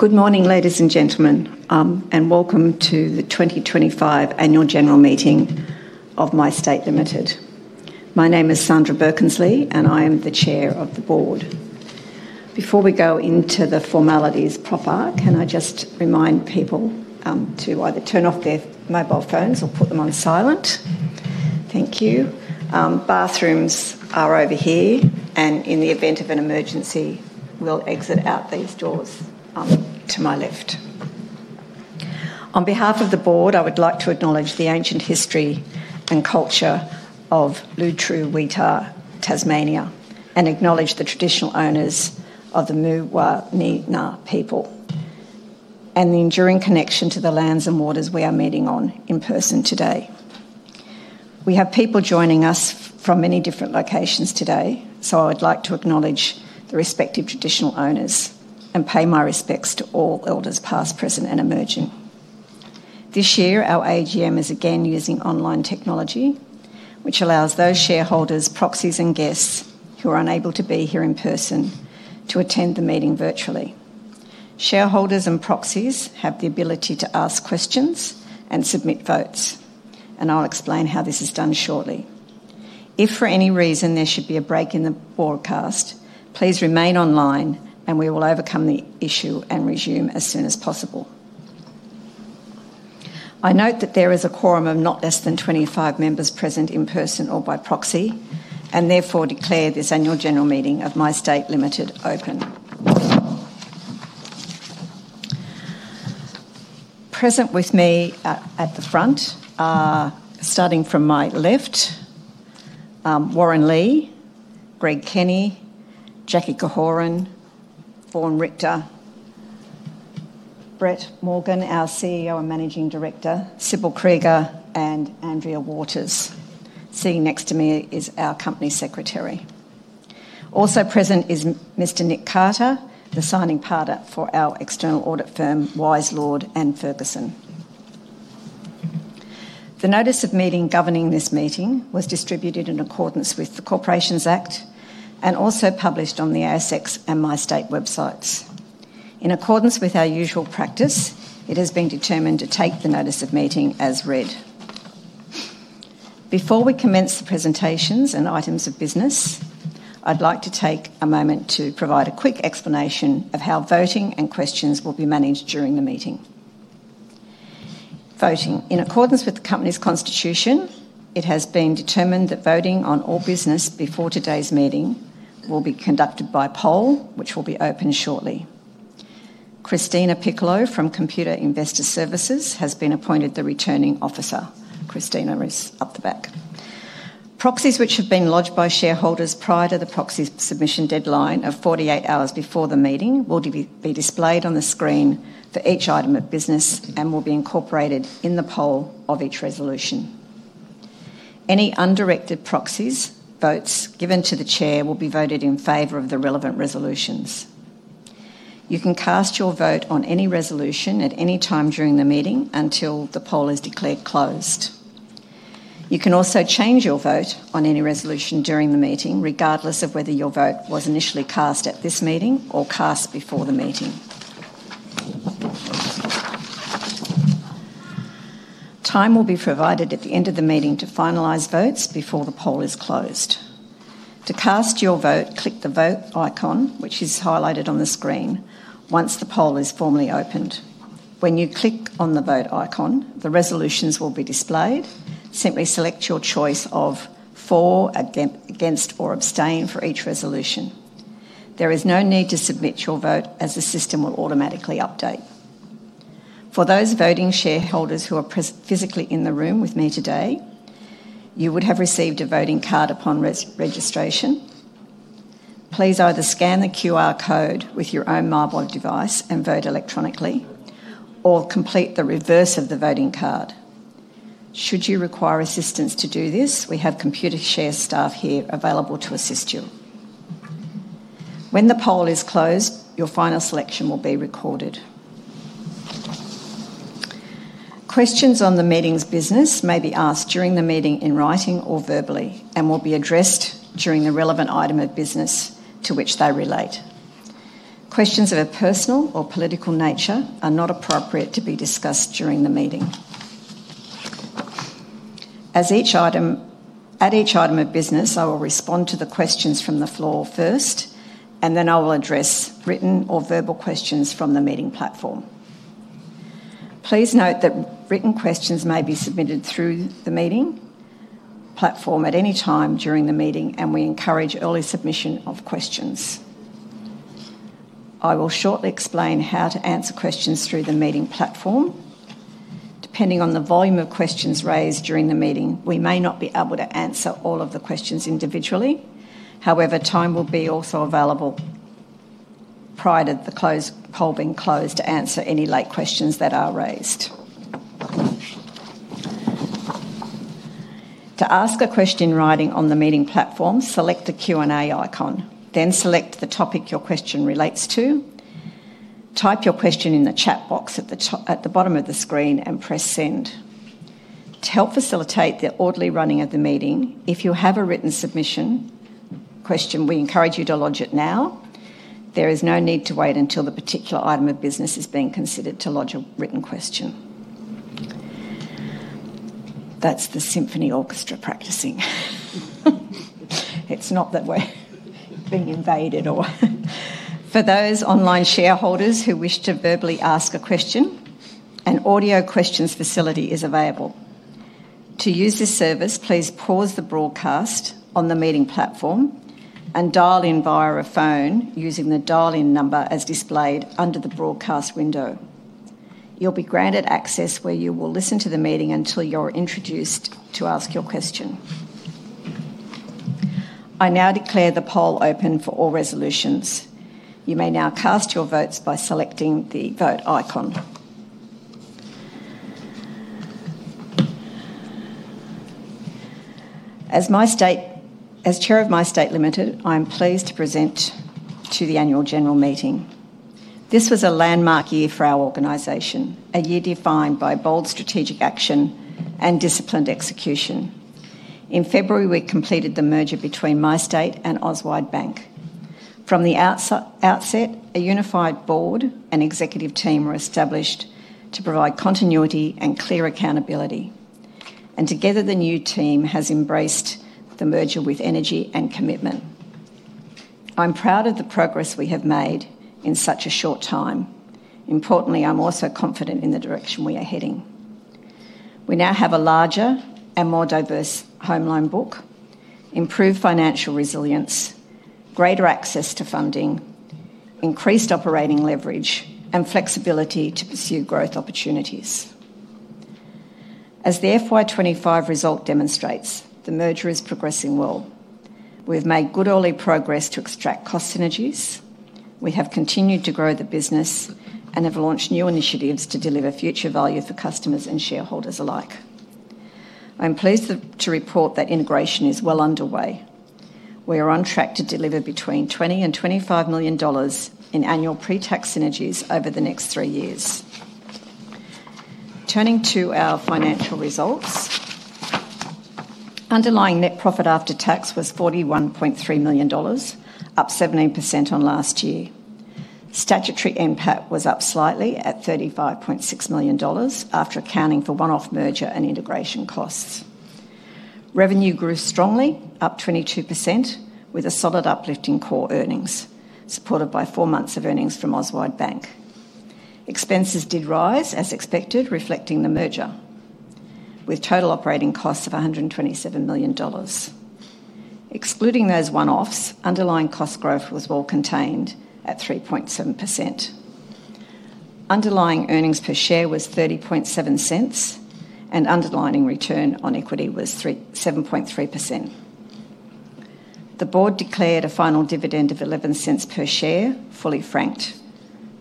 Good morning, ladies and gentlemen, and welcome to the 2025 Annual General Meeting of MyState Limited. My name is Sandra Birkensleigh, and I am the Chair of the Board. Before we go into the formalities proper, can I just remind people to either turn off their mobile phones or put them on silent? Thank you. Bathrooms are over here, and in the event of an emergency, we'll exit out these doors to my left. On behalf of the Board, I would like to acknowledge the ancient history and culture of Lutruwita, Tasmania, and acknowledge the traditional owners of the Muwahini people and the enduring connection to the lands and waters we are meeting on in person today. We have people joining us from many different locations today, so I would like to acknowledge the respective traditional owners and pay my respects to all elders past, present, and emerging. This year, our AGM is again using online technology, which allows those shareholders, proxies, and guests who are unable to be here in person to attend the meeting virtually. Shareholders and proxies have the ability to ask questions and submit votes, and I'll explain how this is done shortly. If for any reason there should be a break in the broadcast, please remain online, and we will overcome the issue and resume as soon as possible. I note that there is a quorum of not less than 25 members present in person or by proxy, and therefore declare this Annual General Meeting of MyState Limited open. Present with me at the front are, starting from my left, Warren Lee, Greg Kenny, Jackie Korhonen, Vaughn Richtor, Gary Dickson, Doug Snell, Brett Morgan, our CEO and Managing Director, Sibylle Krieger, and Andrea Waters. Sitting next to me is our Company Secretary. Also present is Mr. Nick Carter, the Signing Partner for our external audit firm, Wise Lord & Ferguson. The notice of meeting governing this meeting was distributed in accordance with the Corporations Act and also published on the ASX and MyState websites. In accordance with our usual practice, it has been determined to take the notice of meeting as read. Before we commence the presentations and items of business, I'd like to take a moment to provide a quick explanation of how voting and questions will be managed during the meeting. Voting. In accordance with the Company's Constitution, it has been determined that voting on all business before today's meeting will be conducted by poll, which will be open shortly. Christina Piccolo from Computer Investor Services has been appointed the Returning Officer. Christina is up the back. Proxies which have been lodged by shareholders prior to the proxy submission deadline of 48 hours before the meeting will be displayed on the screen for each item of business and will be incorporated in the poll of each resolution. Any undirected proxy votes given to the Chair will be voted in favor of the relevant resolutions. You can cast your vote on any resolution at any time during the meeting until the poll is declared closed. You can also change your vote on any resolution during the meeting, regardless of whether your vote was initially cast at this meeting or cast before the meeting. Time will be provided at the end of the meeting to finalize votes before the poll is closed. To cast your vote, click the vote icon, which is highlighted on the screen, once the poll is formally opened. When you click on the vote icon, the resolutions will be displayed. Simply select your choice of for, against, or abstain for each resolution. There is no need to submit your vote as the system will automatically update. For those voting shareholders who are physically in the room with me today, you would have received a voting card upon registration. Please either scan the QR code with your own mobile device and vote electronically, or complete the reverse of the voting card. Should you require assistance to do this, we have Computershare staff here available to assist you. When the poll is closed, your final selection will be recorded. Questions on the meeting's business may be asked during the meeting in writing or verbally and will be addressed during the relevant item of business to which they relate. Questions of a personal or political nature are not appropriate to be discussed during the meeting. At each item of business, I will respond to the questions from the floor first, and then I will address written or verbal questions from the meeting platform. Please note that written questions may be submitted through the meeting platform at any time during the meeting, and we encourage early submission of questions. I will shortly explain how to answer questions through the meeting platform. Depending on the volume of questions raised during the meeting, we may not be able to answer all of the questions individually. However, time will be also available prior to the poll being closed to answer any late questions that are raised. To ask a question in writing on the meeting platform, select the Q&A icon, then select the topic your question relates to. Type your question in the chat box at the bottom of the screen and press send. To help facilitate the orderly running of the meeting, if you have a written submission question, we encourage you to lodge it now. There is no need to wait until the particular item of business is being considered to lodge a written question. That's the symphony orchestra practicing. It's not that we're being invaded or... For those online shareholders who wish to verbally ask a question, an audio questions facility is available. To use this service, please pause the broadcast on the meeting platform and dial in via a phone using the dial-in number as displayed under the broadcast window. You'll be granted access where you will listen to the meeting until you're introduced to ask your question. I now declare the poll open for all resolutions. You may now cast your votes by selecting the vote icon. As Chair of MyState Limited, I am pleased to present to the Annual General Meeting. This was a landmark year for our organization, a year defined by bold strategic action and disciplined execution. In February, we completed the merger between MyState and Auswide Bank. From the outset, a unified board and executive team were established to provide continuity and clear accountability, and together the new team has embraced the merger with energy and commitment. I'm proud of the progress we have made in such a short time. Importantly, I'm also confident in the direction we are heading. We now have a larger and more diverse home loan book, improved financial resilience, greater access to funding, increased operating leverage, and flexibility to pursue growth opportunities. As the FY 2025 result demonstrates, the merger is progressing well. We've made good early progress to extract cost synergies. We have continued to grow the business and have launched new initiatives to deliver future value for customers and shareholders alike. I'm pleased to report that integration is well underway. We are on track to deliver between 20 million and 25 million dollars in annual pre-tax synergies over the next three years. Turning to our financial results, underlying net profit after tax was AUD 41.3 million, up 17% on last year. Statutory impact was up slightly at AUD 35.6 million after accounting for one-off merger and integration costs. Revenue grew strongly, up 22%, with a solid uplift in core earnings, supported by four months of earnings from Auswide Bank. Expenses did rise as expected, reflecting the merger, with total operating costs of 127 million dollars. Excluding those one-offs, underlying cost growth was well contained at 3.7%. Underlying earnings per share was 30.07 and underlying return on equity was 7.3%. The Board declared a final dividend of 0.11 per share, fully franked,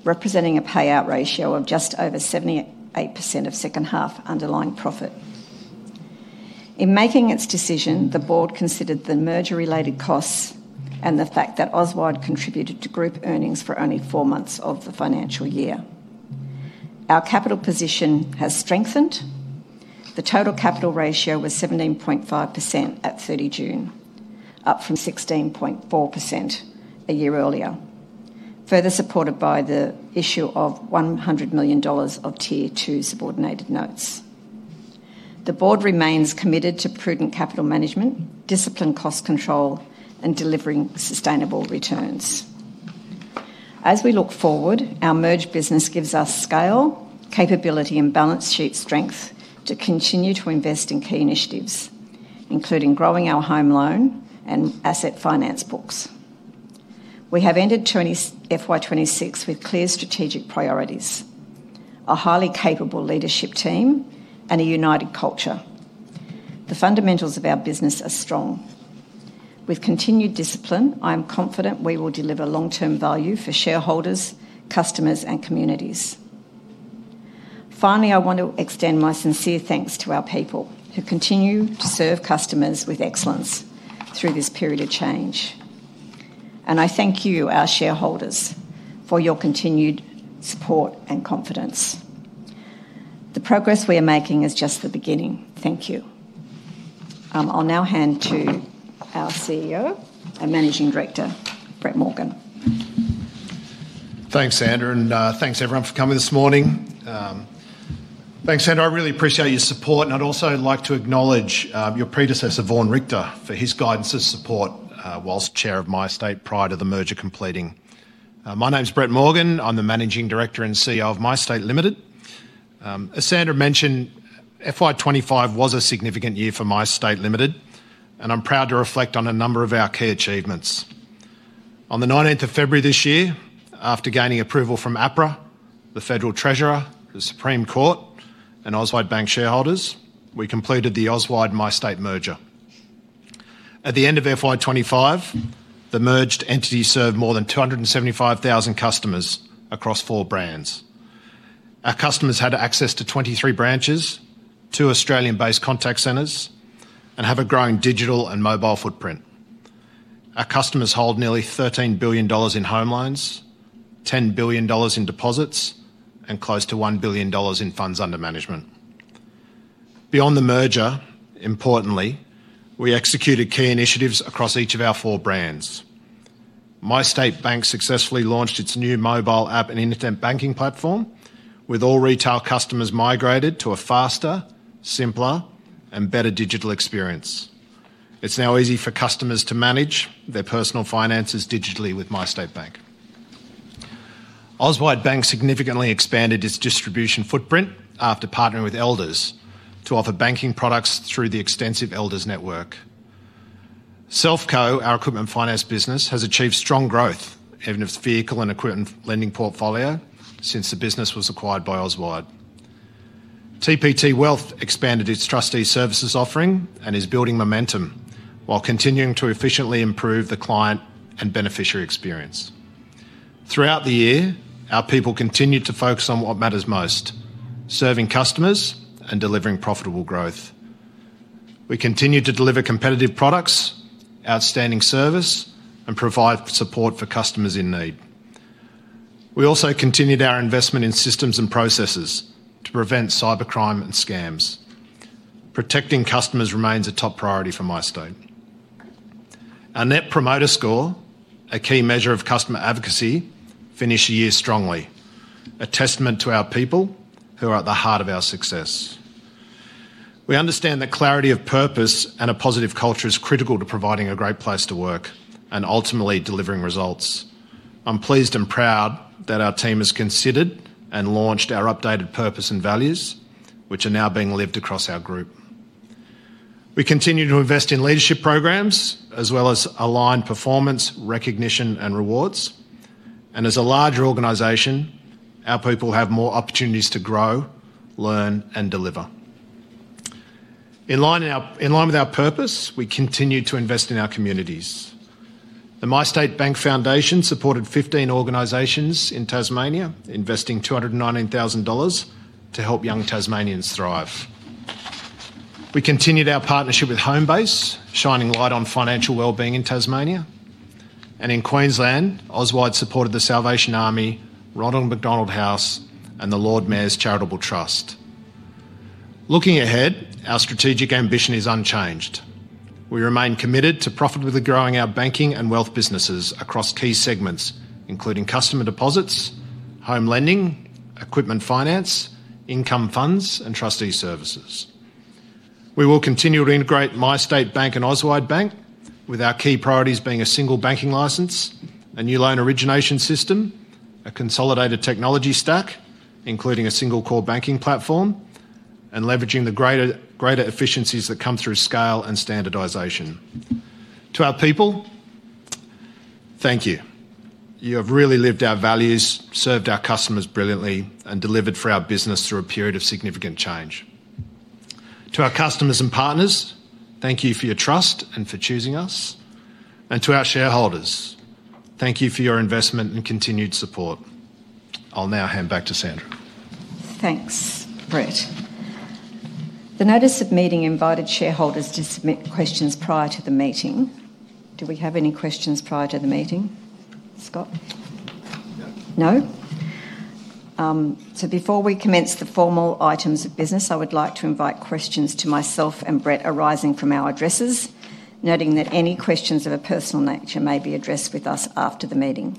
representing a payout ratio of just over 78% of second half underlying profit. In making its decision, the Board considered the merger-related costs and the fact that Auswide contributed to group earnings for only four months of the financial year. Our capital position has strengthened. The total capital ratio was 17.5% at 30 June, up from 16.4% a year earlier, further supported by the issue of 100 million dollars of Tier 2 subordinated notes. The Board remains committed to prudent capital management, disciplined cost control, and delivering sustainable returns. As we look forward, our merged business gives us scale, capability, and balance sheet strength to continue to invest in key initiatives, including growing our home loan and asset finance books. We have ended FY 2026 with clear strategic priorities, a highly capable leadership team, and a united culture. The fundamentals of our business are strong. With continued discipline, I am confident we will deliver long-term value for shareholders, customers, and communities. Finally, I want to extend my sincere thanks to our people who continue to serve customers with excellence through this period of change. I thank you, our shareholders, for your continued support and confidence. The progress we are making is just the beginning. Thank you. I'll now hand to our CEO and Managing Director, Brett Morgan. Thanks, Sandra, and thanks everyone for coming this morning. Thanks, Sandra. I really appreciate your support, and I'd also like to acknowledge your predecessor, Vaughn Richtor, for his guidance and support whilst Chair of MyState prior to the merger completing. My name is Brett Morgan. I'm the Managing Director and CEO of MyState Limited. As Sandra mentioned, FY 2025 was a significant year for MyState Limited, and I'm proud to reflect on a number of our key achievements. On the 19th of February this year, after gaining approval from APRA, the Federal Treasurer, the Supreme Court, and Auswide Bank shareholders, we completed the Auswide MyState merger. At the end of FY 2025, the merged entity served more than 275,000 customers across four brands. Our customers had access to 23 branches, two Australian-based contact centers, and have a growing digital and mobile footprint. Our customers hold nearly 13 billion dollars in home loans, 10 billion dollars in deposits, and close to 1 billion dollars in funds under management. Beyond the merger, importantly, we executed key initiatives across each of our four brands. MyState Bank successfully launched its new mobile app and internet banking platform, with all retail customers migrated to a faster, simpler, and better digital experience. It's now easy for customers to manage their personal finances digitally with MyState Bank. Auswide Bank significantly expanded its distribution footprint after partnering with Elders to offer banking products through the extensive Elders Network. Selfco, our equipment finance business, has achieved strong growth in its vehicle and equipment lending portfolio since the business was acquired by Auswide. TPT Wealth expanded its trustee services offering and is building momentum while continuing to efficiently improve the client and beneficiary experience. Throughout the year, our people continued to focus on what matters most: serving customers and delivering profitable growth. We continue to deliver competitive products, outstanding service, and provide support for customers in need. We also continued our investment in systems and processes to prevent cybercrime and scams. Protecting customers remains a top priority for MyState. Our Net Promoter Score, a key measure of customer advocacy, finished the year strongly, a testament to our people who are at the heart of our success. We understand that clarity of purpose and a positive culture is critical to providing a great place to work and ultimately delivering results. I'm pleased and proud that our team has considered and launched our updated purpose and values, which are now being lived across our group. We continue to invest in leadership programs as well as align performance, recognition, and rewards. As a larger organization, our people have more opportunities to grow, learn, and deliver. In line with our purpose, we continue to invest in our communities. The MyState Bank Foundation supported 15 organizations in Tasmania, investing 219,000 dollars to help young Tasmanians thrive. We continued our partnership with Homebase, shining light on financial wellbeing in Tasmania. In Queensland, Auswide Bank supported the Salvation Army, Ronald McDonald House, and the Lord Mayor's Charitable Trust. Looking ahead, our strategic ambition is unchanged. We remain committed to profitably growing our banking and wealth businesses across key segments, including customer deposits, home loans, equipment finance, income funds, and trustee services. We will continue to integrate MyState Bank and Auswide Bank, with our key priorities being a single banking license, a new loan origination system, a consolidated technology stack, including a single core banking platform, and leveraging the greater efficiencies that come through scale and standardization. To our people, thank you. You have really lived our values, served our customers brilliantly, and delivered for our business through a period of significant change. To our customers and partners, thank you for your trust and for choosing us. To our shareholders, thank you for your investment and continued support. I'll now hand back to Sandra. Thanks, Brett. The notice of meeting invited shareholders to submit questions prior to the meeting. Do we have any questions prior to the meeting? Scott? No. No? Before we commence the formal items of business, I would like to invite questions to myself and Brett arising from our addresses, noting that any questions of a personal nature may be addressed with us after the meeting.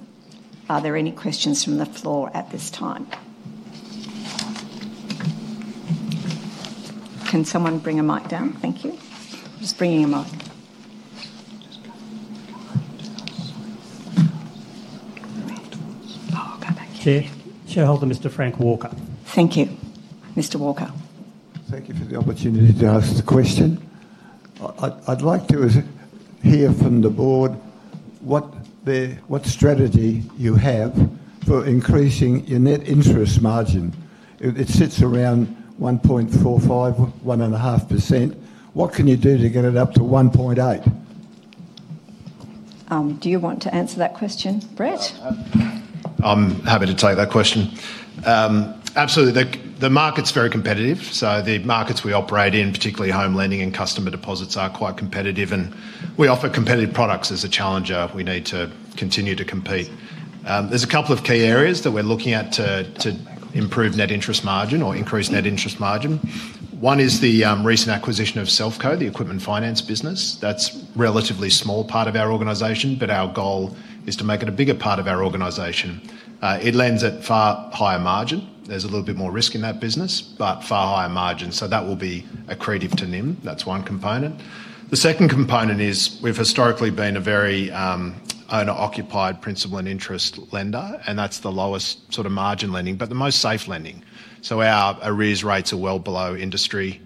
Are there any questions from the floor at this time? Can someone bring a mic down? Thank you. Just bringing a mic. Go back. Shareholder Mr. Frank Walker. Thank you, Mr. Morgan. Thank you for the opportunity to ask the question. I'd like to hear from the Board what strategy you have for increasing your net interest margin. It sits around 1.45%, 1.5%. What can you do to get it up to 1.8%? Do you want to answer that question, Brett? I'm happy to take that question. Absolutely. The market's very competitive. The markets we operate in, particularly home lending and customer deposits, are quite competitive, and we offer competitive products as a challenger. We need to continue to compete. There's a couple of key areas that we're looking at to improve net interest margin or increase net interest margin. One is the recent acquisition of Selfco, the equipment finance business. That's a relatively small part of our organization, but our goal is to make it a bigger part of our organization. It lends at far higher margin. There's a little bit more risk in that business, but far higher margin. That will be accretive to NIM. That's one component. The second component is we've historically been a very owner-occupied principal and interest lender, and that's the lowest sort of margin lending, but the most safe lending. Our arrears rates are well below industry.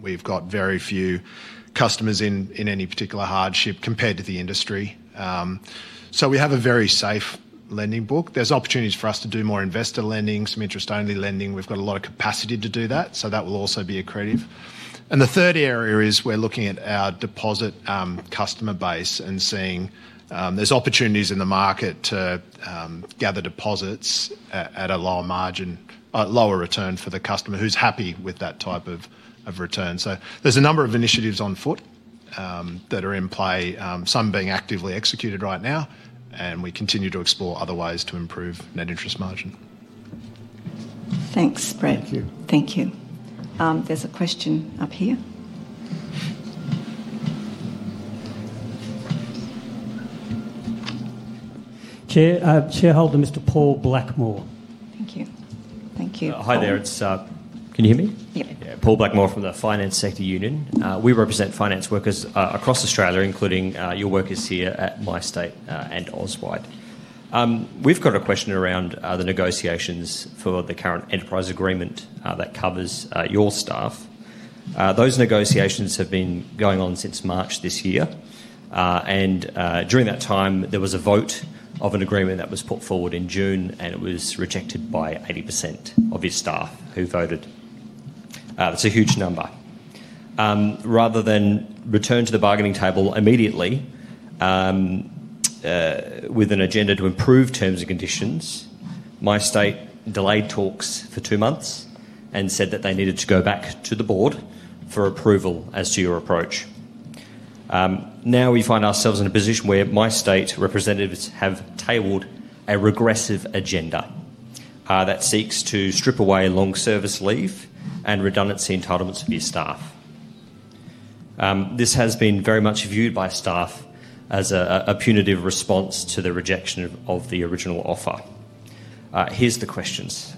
We've got very few customers in any particular hardship compared to the industry. We have a very safe lending book. There's opportunities for us to do more investor lending, some interest-only lending. We've got a lot of capacity to do that. That will also be accretive. The third area is we're looking at our deposit customer base and seeing there's opportunities in the market to gather deposits at a lower margin, lower return for the customer who's happy with that type of return. There's a number of initiatives on foot that are in play, some being actively executed right now, and we continue to explore other ways to improve net interest margin. Thanks, Brett. Thank you. Thank you. There's a question up here. Shareholder Mr. Paul Blackmore. Thank you. Thank you. Hi there, can you hear me? Yep. Paul Blackmore from the Finance Sector Union. We represent finance workers across Australia, including your workers here at MyState and Auswide Bank. We've got a question around the negotiations for the current enterprise agreement that covers your staff. Those negotiations have been going on since March this year. During that time, there was a vote of an agreement that was put forward in June, and it was rejected by 80% of your staff who voted. That's a huge number. Rather than return to the bargaining table immediately with an agenda to improve terms and conditions, MyState delayed talks for two months and said that they needed to go back to the Board for approval as to your approach. Now we find ourselves in a position where MyState representatives have tabled a regressive agenda that seeks to strip away long service leave and redundancy entitlements of your staff. This has been very much viewed by staff as a punitive response to the rejection of the original offer. Here's the questions.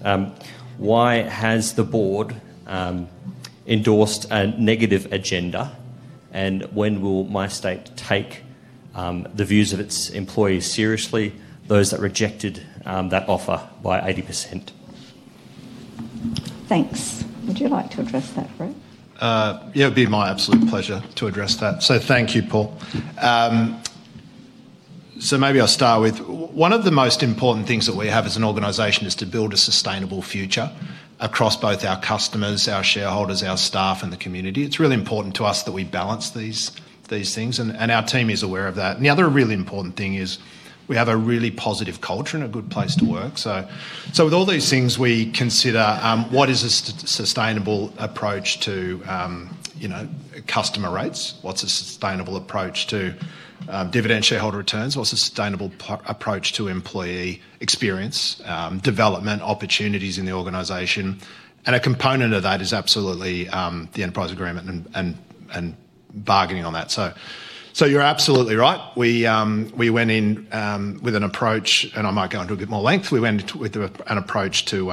Why has the Board endorsed a negative agenda, and when will MyState take the views of its employees seriously, those that rejected that offer by 80%? Thanks. Would you like to address that, Brett? It would be my absolute pleasure to address that. Thank you, Paul. Maybe I'll start with one of the most important things that we have as an organization, which is to build a sustainable future across both our customers, our shareholders, our staff, and the community. It's really important to us that we balance these things, and our team is aware of that. Another really important thing is we have a really positive culture and a good place to work. With all these things, we consider what is a sustainable approach to customer rates, what's a sustainable approach to dividend shareholder returns, what's a sustainable approach to employee experience development opportunities in the organization. A component of that is absolutely the enterprise agreement and bargaining on that. You're absolutely right. We went in with an approach, and I might go into a bit more length. We went with an approach to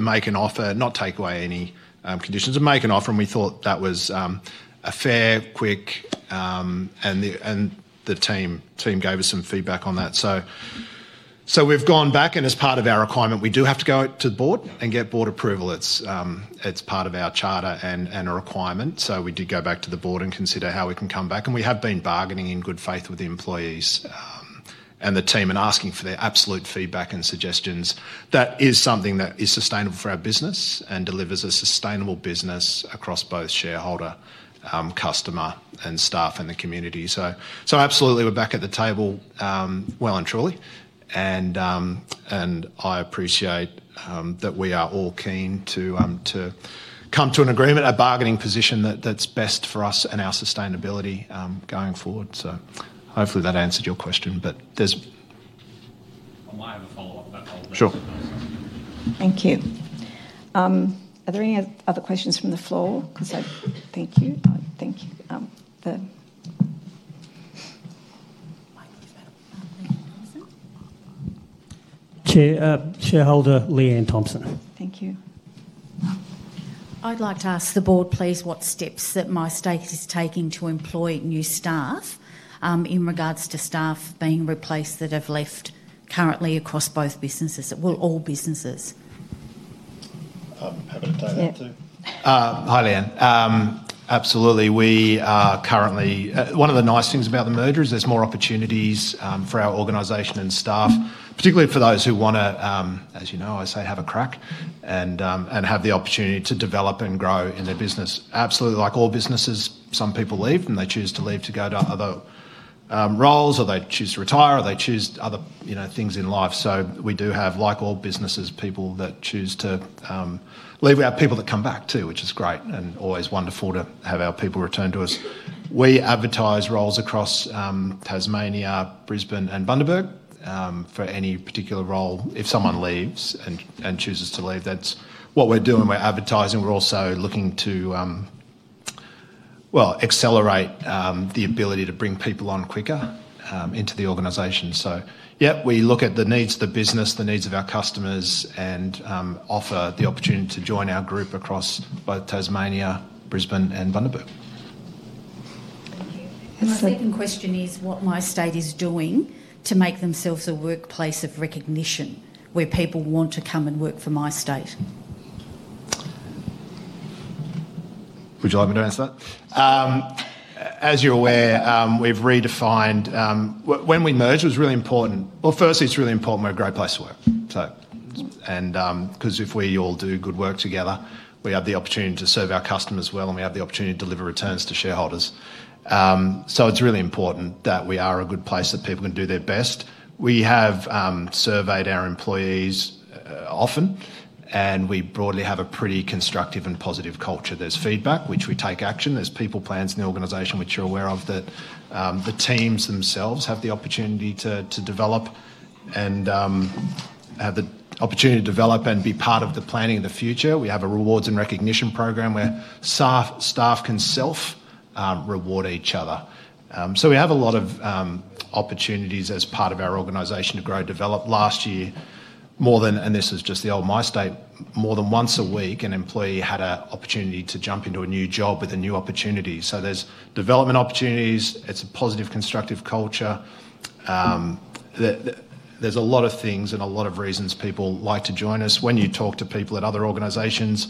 make an offer, not take away any conditions, to make an offer, and we thought that was fair, quick, and the team gave us some feedback on that. We've gone back, and as part of our requirement, we do have to go to the Board and get Board approval. It's part of our charter and a requirement. We did go back to the Board and consider how we can come back. We have been bargaining in good faith with the employees and the team and asking for their absolute feedback and suggestions. That is something that is sustainable for our business and delivers a sustainable business across both shareholder, customer, and staff and the community. We're back at the table well and truly, and I appreciate that we are all keen to come to an agreement, a bargaining position that's best for us and our sustainability going forward. Hopefully that answered your question, but there's... I might have a follow-up, but I'll just... Sure. Thank you. Are there any other questions from the floor? I think you... Chair? Chair Sandra Birkensleigh. Thank you. I'd like to ask the Board, please, what steps MyState is taking to employ new staff in regards to staff being replaced that have left currently across both businesses. It will all businesses. Pardon? Go ahead, too. Hi Lee Ann. Absolutely. We are currently... One of the nice things about the merger is there's more opportunities for our organization and staff, particularly for those who want to, as you know, I say, have a crack and have the opportunity to develop and grow in their business. Absolutely, like all businesses, some people leave and they choose to leave to go to other roles or they choose to retire or they choose other things in life. We do have, like all businesses, people that choose to leave. We have people that come back too, which is great and always wonderful to have our people return to us. We advertise roles across Tasmania, Brisbane, and Bundaberg for any particular role. If someone leaves and chooses to leave, that's what we're doing. We're advertising. We're also looking to accelerate the ability to bring people on quicker into the organization. We look at the needs of the business, the needs of our customers, and offer the opportunity to join our group across both Tasmania, Brisbane, and Bundaberg. The second question is what MyState is doing to make themselves a workplace of recognition where people want to come and work for MyState. Would you like me to answer that? As you're aware, we've redefined... When we merged, it was really important. Firstly, it's really important we're a great place to work, because if we all do good work together, we have the opportunity to serve our customers well and we have the opportunity to deliver returns to shareholders. It's really important that we are a good place that people can do their best. We have surveyed our employees often, and we broadly have a pretty constructive and positive culture. There's feedback, which we take action. There are people plans in the organization, which you're aware of, that the teams themselves have the opportunity to develop and be part of the planning of the future. We have a rewards and recognition program where staff can self-reward each other. We have a lot of opportunities as part of our organization to grow and develop. Last year, more than, and this is just the old MyState, more than once a week, an employee had an opportunity to jump into a new job with a new opportunity. There are development opportunities. It's a positive, constructive culture. There are a lot of things and a lot of reasons people like to join us. When you talk to people at other organizations,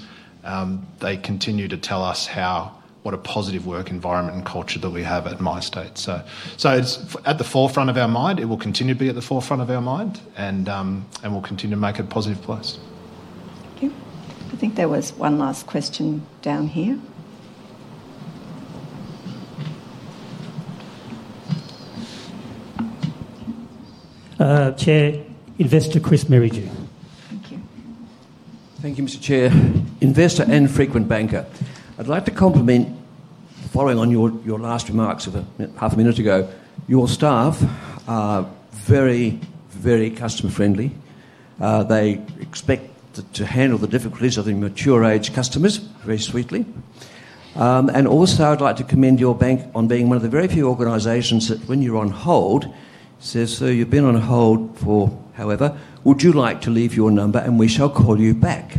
they continue to tell us what a positive work environment and culture that we have at MyState. It's at the forefront of our mind. It will continue to be at the forefront of our mind and will continue to make it a positive place. Thank you. I think there was one last question down here. Chair, investor Chris Meriger. Thank you. Thank you, Mr. Chair, investor and frequent banker. I'd like to compliment, following on your last remarks of half a minute ago, your staff are very, very customer-friendly. They expect to handle the difficulties of their mature age customers very sweetly. I'd also like to commend your bank on being one of the very few organizations that, when you're on hold, says, "Sir, you've been on hold for however. Would you like to leave your number and we shall call you back?"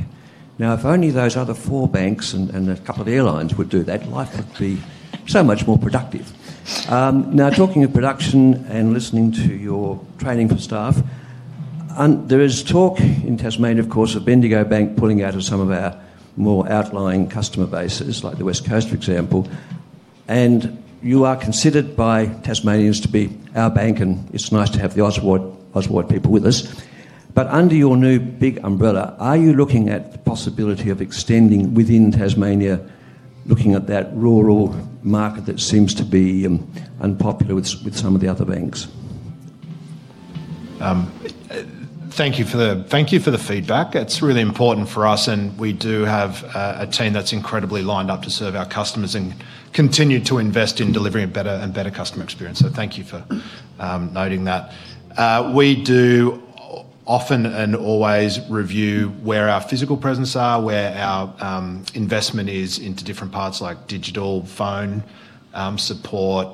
If only those other four banks and a couple of airlines would do that, life would be so much more productive. Talking of production and listening to your training for staff, there is talk in Tasmania, of course, of Indigo Bank pulling out of some of our more outlying customer bases, like the West Coast, for example. You are considered by Tasmanians to be our bank, and it's nice to have the Auswide Bank people with us. Under your new big umbrella, are you looking at the possibility of extending within Tasmania, looking at that rural market that seems to be unpopular with some of the other banks? Thank you for the feedback. It's really important for us, and we do have a team that's incredibly lined up to serve our customers and continue to invest in delivering a better and better customer experience. Thank you for noting that. We do often and always review where our physical presence is, where our investment is into different parts like digital phone support.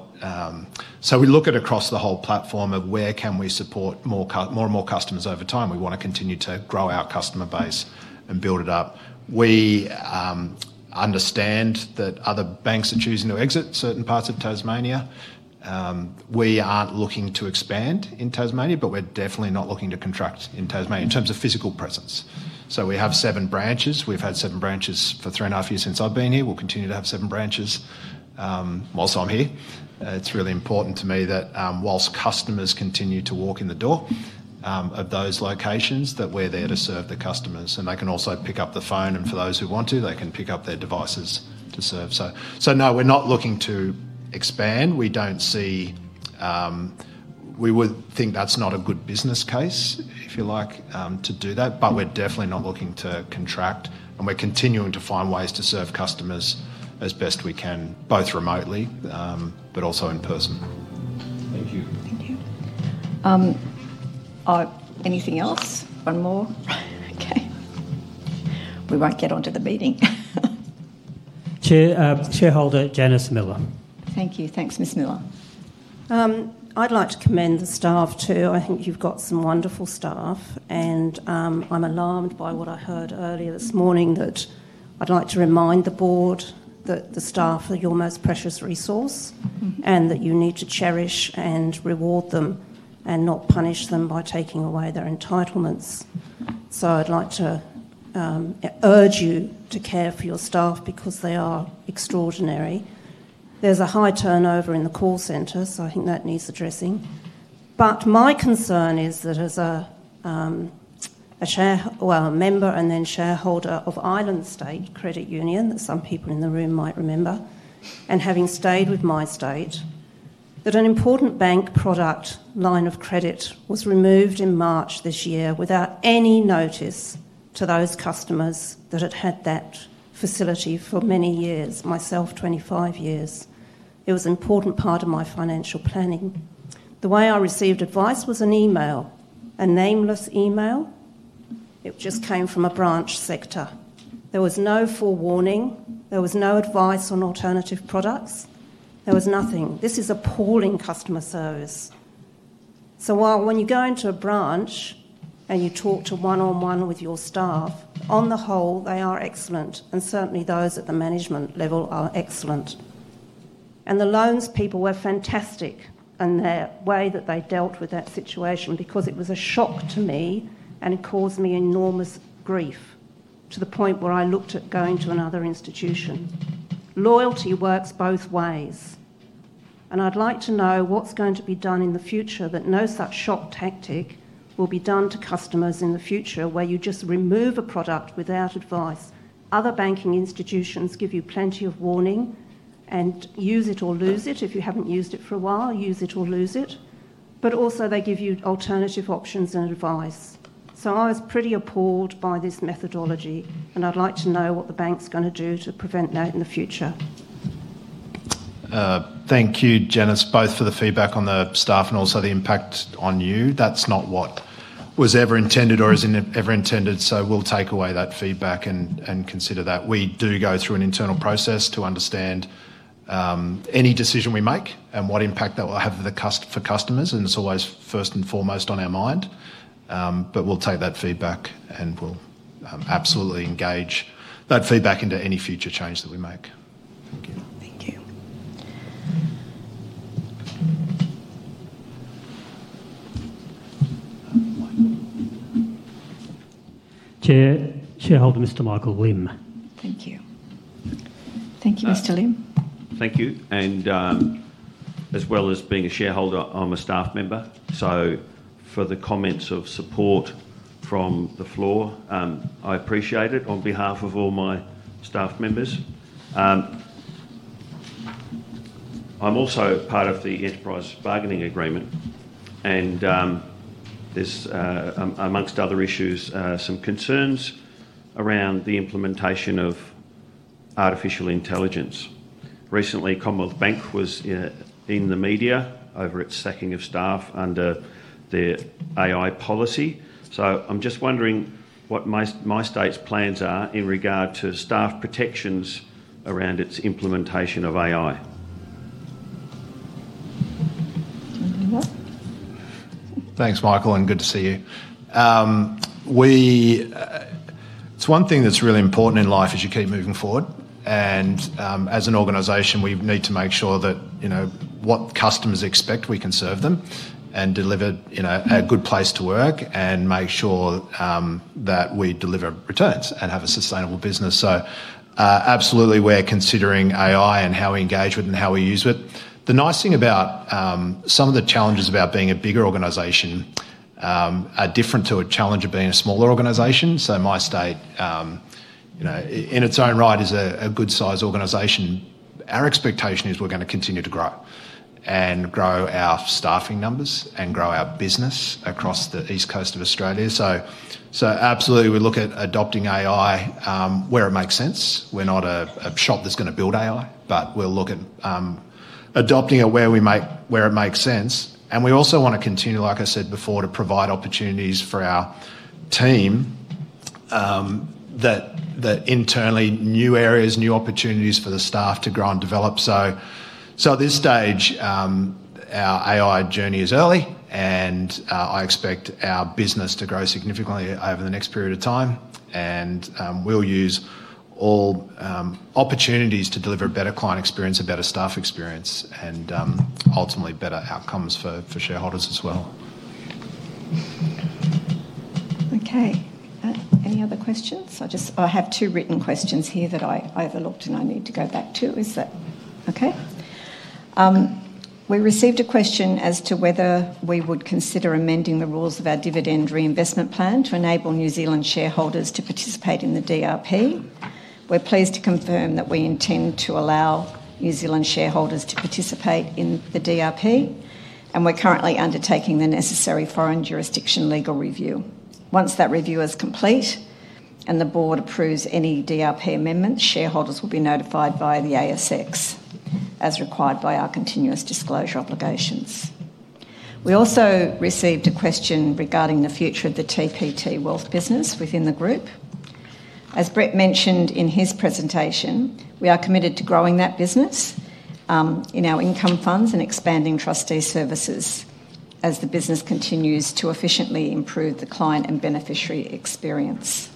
We look across the whole platform of where we can support more and more customers over time. We want to continue to grow our customer base and build it up. We understand that other banks are choosing to exit certain parts of Tasmania. We aren't looking to expand in Tasmania, but we're definitely not looking to contract in Tasmania in terms of physical presence. We have seven branches. We've had seven branches for three and a half years since I've been here. We'll continue to have seven branches whilst I'm here. It's really important to me that whilst customers continue to walk in the door of those locations, we're there to serve the customers, and they can also pick up the phone, and for those who want to, they can pick up their devices to serve. We are not looking to expand. We don't see, we would think that's not a good business case, if you like, to do that, but we're definitely not looking to contract, and we're continuing to find ways to serve customers as best we can, both remotely, but also in person. Thank you. Thank you. Anything else? One more? Okay, we won't get onto the meeting. Shareholder Janice Miller. Thank you. Thanks, Ms. Birkensleigh. I'd like to commend the staff too. I think you've got some wonderful staff, and I'm alarmed by what I heard earlier this morning. I'd like to remind the Board that the staff are your most precious resource and that you need to cherish and reward them and not punish them by taking away their entitlements. I'd like to urge you to care for your staff because they are extraordinary. There's a high turnover in the call centre, so I think that needs addressing. My concern is that as a member and then shareholder of Island State Credit Union, that some people in the room might remember, and having stayed with MyState, an important bank product line of credit was removed in March this year without any notice to those customers that had had that facility for many years, myself 25 years. It was an important part of my financial planning. The way I received advice was an email, a nameless email. It just came from a branch sector. There was no forewarning. There was no advice on alternative products. There was nothing. This is appalling customer service. While when you go into a branch and you talk to one-on-one with your staff, on the whole, they are excellent, and certainly those at the management level are excellent. The loans people were fantastic in the way that they dealt with that situation because it was a shock to me and caused me enormous grief to the point where I looked at going to another institution. Loyalty works both ways. I'd like to know what's going to be done in the future that no such shock tactic will be done to customers in the future where you just remove a product without advice. Other banking institutions give you plenty of warning and use it or lose it. If you haven't used it for a while, use it or lose it. They also give you alternative options and advice. I was pretty appalled by this methodology, and I'd like to know what the bank's going to do to prevent that in the future. Thank you, Janice, both for the feedback on the staff and also the impact on you. That's not what was ever intended or is ever intended, so we'll take away that feedback and consider that. We do go through an internal process to understand any decision we make and what impact that will have for customers, and it's always first and foremost on our mind. We'll take that feedback and we'll absolutely engage that feedback into any future change that we make. Thank you. Thank you. Chair, Shareholder Mr. Michael Lim. Thank you. Thank you, Mr. Lim. Thank you. As well as being a shareholder, I'm a staff member. For the comments of support from the floor, I appreciate it on behalf of all my staff members. I'm also part of the enterprise bargaining agreement, and there's, amongst other issues, some concerns around the implementation of artificial intelligence. Recently, Commonwealth Bank was in the media over its sacking of staff under their AI policy. I'm just wondering what MyState's plans are in regard to staff protections around its implementation of AI. Anyone? Thanks, Michael, and good to see you. It's one thing that's really important in life as you keep moving forward. As an organization, we need to make sure that what customers expect, we can serve them and deliver a good place to work and make sure that we deliver returns and have a sustainable business. Absolutely, we're considering AI and how we engage with it and how we use it. The nice thing about some of the challenges about being a bigger organization are different to a challenge of being a smaller organization. MyState, in its own right, is a good-sized organization. Our expectation is we're going to continue to grow and grow our staffing numbers and grow our business across the East Coast of Australia. Absolutely, we look at adopting AI where it makes sense. We're not a shop that's going to build AI, but we'll look at adopting it where it makes sense. We also want to continue, like I said before, to provide opportunities for our team that internally, new areas, new opportunities for the staff to grow and develop. At this stage, our AI journey is early, and I expect our business to grow significantly over the next period of time. We'll use all opportunities to deliver a better client experience, a better staff experience, and ultimately better outcomes for shareholders as well. Okay. Any other questions? I just have two written questions here that I overlooked and I need to go back to. Is that okay? We received a question as to whether we would consider amending the rules of our dividend reinvestment plan to enable New Zealand shareholders to participate in the dividend reinvestment plan. We're pleased to confirm that we intend to allow New Zealand shareholders to participate in the dividend reinvestment plan, and we're currently undertaking the necessary foreign jurisdiction legal review. Once that review is complete and the Board approves any dividend reinvestment plan amendments, shareholders will be notified via the ASX as required by our continuous disclosure obligations. We also received a question regarding the future of the TPT Wealth business within the group. As Brett mentioned in his presentation, we are committed to growing that business in our income funds and expanding trustee services as the business continues to efficiently improve the client and beneficiary experience.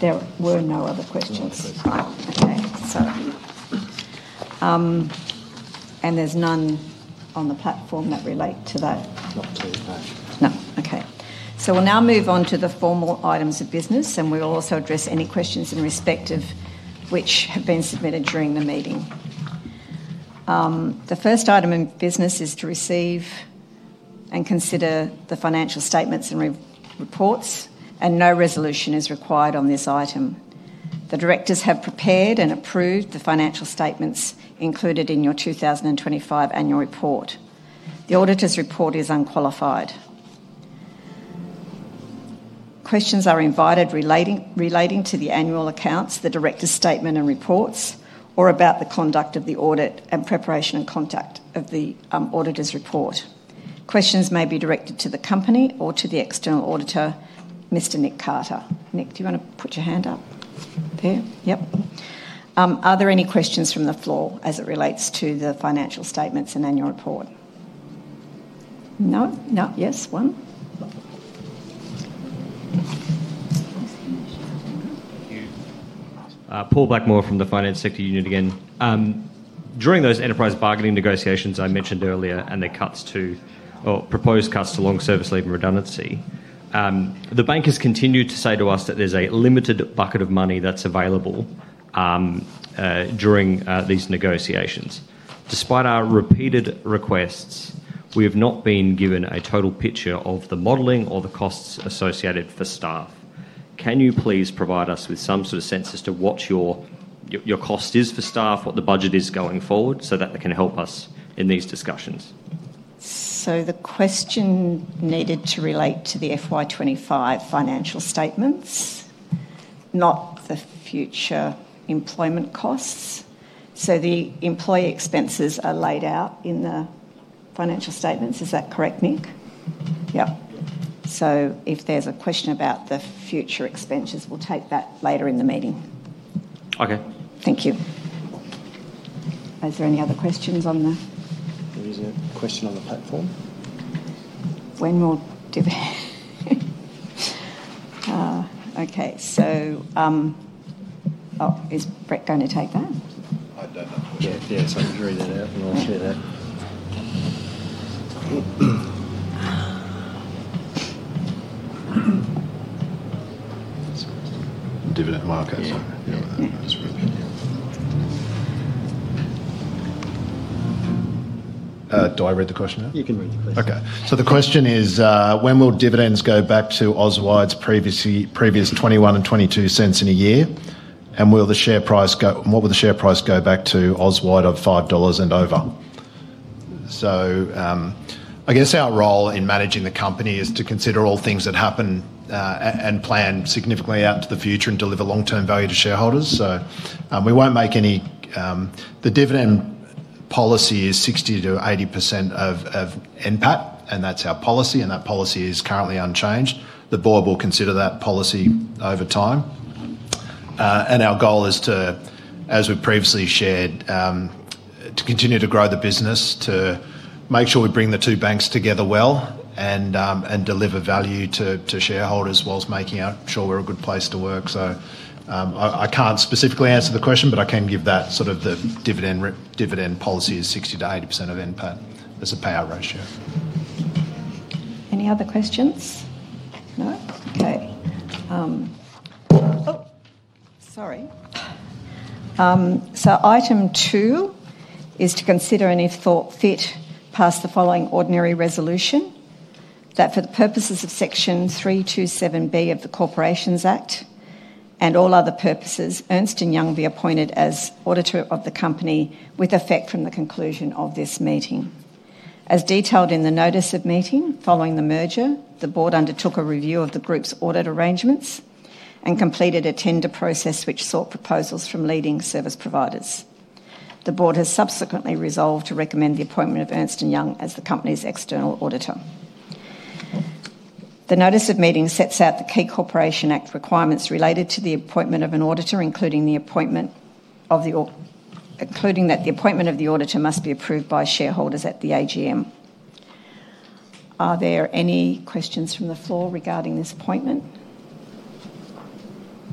There were no other questions. Okay. There's none on the platform that relate to that. Not to me. No. Okay. We'll now move on to the formal items of business, and we will also address any questions in respect of which have been submitted during the meeting. The first item of business is to receive and consider the financial statements and reports, and no resolution is required on this item. The directors have prepared and approved the financial statements included in your 2025 annual report. The auditor's report is unqualified. Questions are invited relating to the annual accounts, the directors' statement and reports, or about the conduct of the audit and preparation and contact of the auditor's report. Questions may be directed to the company or to the external auditor, Mr. Nick Carter. Nick, do you want to put your hand up? There? Yep. Are there any questions from the floor as it relates to the financial statements and annual report? No? No? Yes? One? Paul Blackmore from the Finance Sector Union again. During those enterprise bargaining negotiations I mentioned earlier and the cuts to, or proposed cuts to long service leave and redundancy, the bank has continued to say to us that there's a limited bucket of money that's available during these negotiations. Despite our repeated requests, we have not been given a total picture of the modeling or the costs associated for staff. Can you please provide us with some sort of sense as to what your cost is for staff, what the budget is going forward, so that it can help us in these discussions? The question needed to relate to the FY 2025 financial statements, not the future employment costs. The employee expenses are laid out in the financial statements. Is that correct, Nick? Yeah. If there's a question about the future expenses, we'll take that later in the meeting. Okay. Thank you. Is there any other questions on the... There is a question on the platform. When will... Okay, is Brett going to take that? I can carry that out and I'll share that. Dividend markup. Do I read the question now? You can read the question. Okay. The question is, when will dividends go back to Auswide Bank's previous 0.21 and 0.22 in a year, and will the share price go—what will the share price go back to Auswide Bank of AUD 5 and over? Our role in managing the company is to consider all things that happen and plan significantly out into the future and deliver long-term value to shareholders. We won't make any—the dividend policy is 60%-80% of NPAT, and that's our policy, and that policy is currently unchanged. The Board will consider that policy over time. Our goal is to, as we previously shared, continue to grow the business, to make sure we bring the two banks together well and deliver value to shareholders whilst making sure we're a good place to work. I can't specifically answer the question, but I can give that sort of—the dividend policy is 60%-80% of NPAT as a payout ratio. Any other questions? No? Okay. Sorry. Item two is to consider and, if thought fit, pass the following ordinary resolution: that for the purposes of section 327B of the Corporations Act and all other purposes, Ernst & Young be appointed as auditor of the company with effect from the conclusion of this meeting. As detailed in the notice of meeting, following the merger, the Board undertook a review of the group's audit arrangements and completed a tender process which sought proposals from leading service providers. The Board has subsequently resolved to recommend the appointment of Ernst & Young as the company's external auditor. The notice of meeting sets out the key Corporations Act requirements related to the appointment of an auditor, including that the appointment of the auditor must be approved by shareholders at the AGM. Are there any questions from the floor regarding this appointment?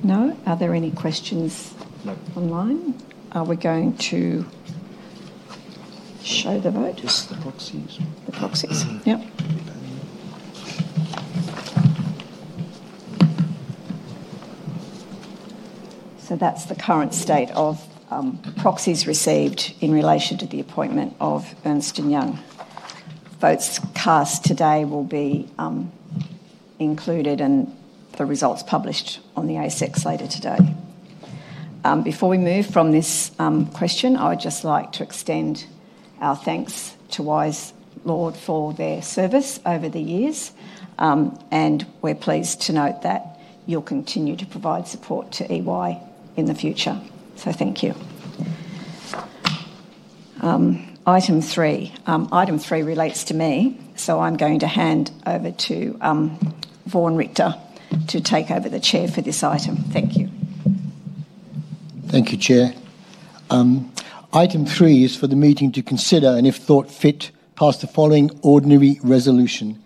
No? Are there any questions online? Are we going to show the vote? Just the proxies. The proxies? Yeah. That's the current state of proxies received in relation to the appointment of Ernst & Young. Votes cast today will be included in the results published on the ASX later today. Before we move from this question, I would just like to extend our thanks to Wise Lord for their service over the years, and we're pleased to note that you'll continue to provide support to Ernst & Young in the future. Thank you. Item three relates to me, so I'm going to hand over to Vaughn Richtor to take over the chair for this item. Thank you. Thank you, Chair. Item three is for the meeting to consider and, if thought fit, pass the following ordinary resolution: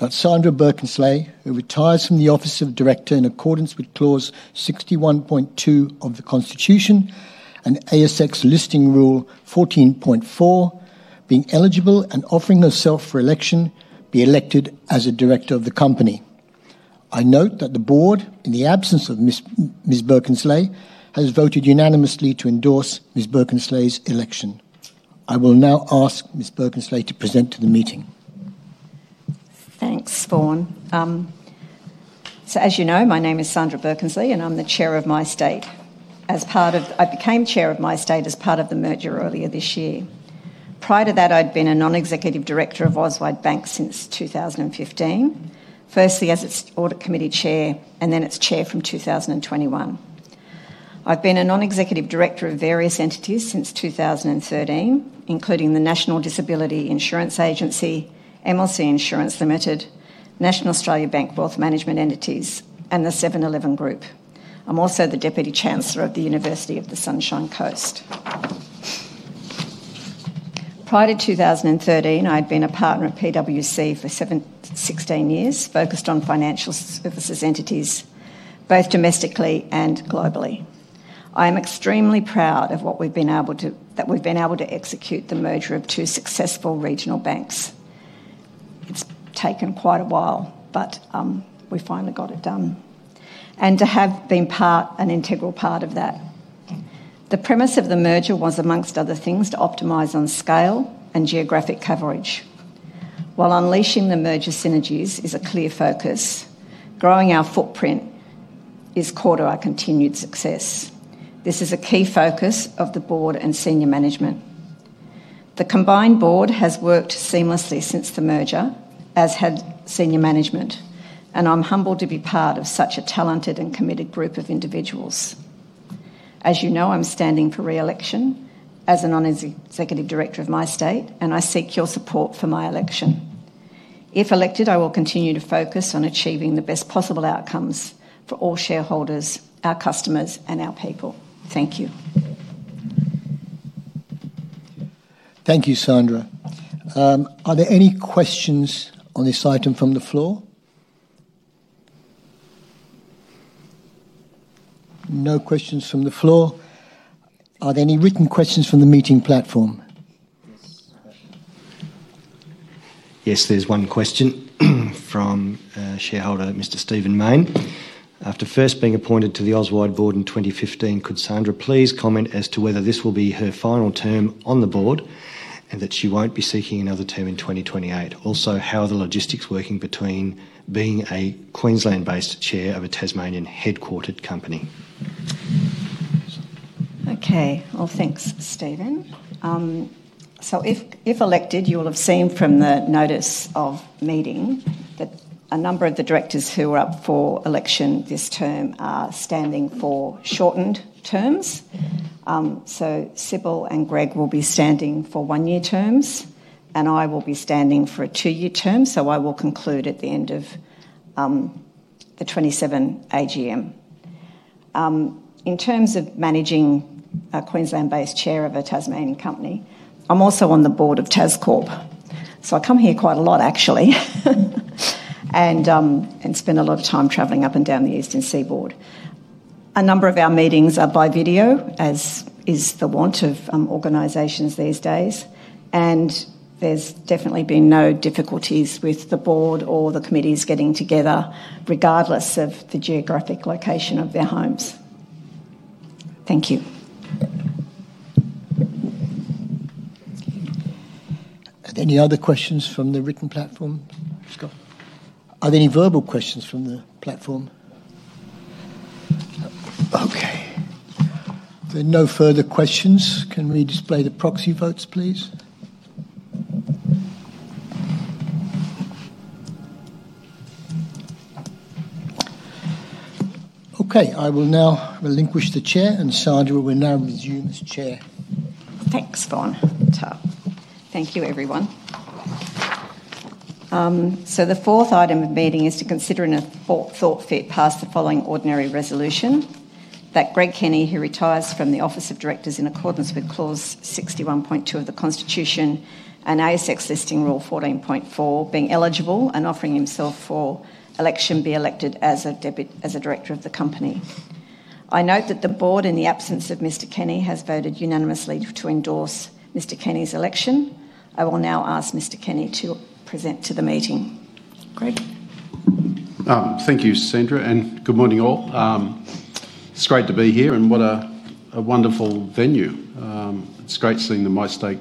that Sandra Birkensleigh, who retires from the Office of Director in accordance with clause 61.2 of the Constitution and ASX Listing Rule 14.4, being eligible and offering herself for election, be elected as a Director of the Company. I note that the Board, in the absence of Ms. Birkensleigh, has voted unanimously to endorse Ms. Birkensleigh's election. I will now ask Ms. Birkensleigh to present to the meeting. Thanks, Vaughn. As you know, my name is Sandra Birkensleigh, and I'm the Chair of MyState. I became Chair of MyState as part of the merger earlier this year. Prior to that, I'd been a Non-Executive Director of Auswide Bank since 2015, firstly as its Audit Committee Chair, and then its Chair from 2021. I've been a Non-Executive Director of various entities since 2013, including the National Disability Insurance Agency, MLC Insurance Limited, National Australia Bank Wealth Management Entities, and the 7-Eleven Group. I'm also the Deputy Chancellor of the University of the Sunshine Coast. Prior to 2013, I'd been a partner of PwC for 16 years, focused on financial services entities, both domestically and globally. I am extremely proud of what we've been able to execute, the merger of two successful regional banks. It's taken quite a while, but we finally got it done. To have been part, an integral part of that. The premise of the merger was, amongst other things, to optimize on scale and geographic coverage. While unleashing the merger synergies is a clear focus, growing our footprint is core to our continued success. This is a key focus of the Board and senior management. The combined Board has worked seamlessly since the merger, as has senior management, and I'm humbled to be part of such a talented and committed group of individuals. As you know, I'm standing for re-election as a Non-Executive Director of MyState, and I seek your support for my election. If elected, I will continue to focus on achieving the best possible outcomes for all shareholders, our customers, and our people. Thank you. Thank you, Sandra. Are there any questions on this item from the floor? No questions from the floor. Are there any written questions from the meeting platform? Yes, there's one question from shareholder Mr. Stephen Main. After first being appointed to the Auswide Bank Board in 2015, could Sandra please comment as to whether this will be her final term on the Board and that she won't be seeking another term in 2028? Also, how are the logistics working between being a Queensland-based Chair of a Tasmanian headquartered company? Thank you, Stephen. If elected, you will have seen from the notice of meeting that a number of the directors who are up for election this term are standing for shortened terms. Sibylle and Greg will be standing for one-year terms, and I will be standing for a two-year term. I will conclude at the end of the 2027 AGM. In terms of managing a Queensland-based Chair of a Tasmanian company, I'm also on the board of TazCorp. I come here quite a lot, actually, and spend a lot of time traveling up and down the Eastern Seaboard. A number of our meetings are by video, as is the want of organizations these days, and there's definitely been no difficulties with the board or the committees getting together, regardless of the geographic location of their homes. Thank you. Are there any other questions from the written platform? Are there any verbal questions from the platform? Okay. If there are no further questions, can we display the proxy votes, please? Okay. I will now relinquish the Chair, and Sandra will now resume as Chair. Thanks, Vaughn. Thank you, everyone. The fourth item of meeting is to consider if thought fit, pass the following ordinary resolution that Greg Kenny, who retires from the Office of Directors in accordance with clause 61.2 of the Constitution and ASX Listing Rule 14.4, being eligible and offering himself for election, be elected as a Director of the Company. I note that the Board, in the absence of Mr. Kenny, has voted unanimously to endorse Mr. Kenny's election. I will now ask Mr. Kenny to present to the meeting. Greg. Thank you, Sandra, and good morning all. It's great to be here and what a wonderful venue. It's great seeing the MyState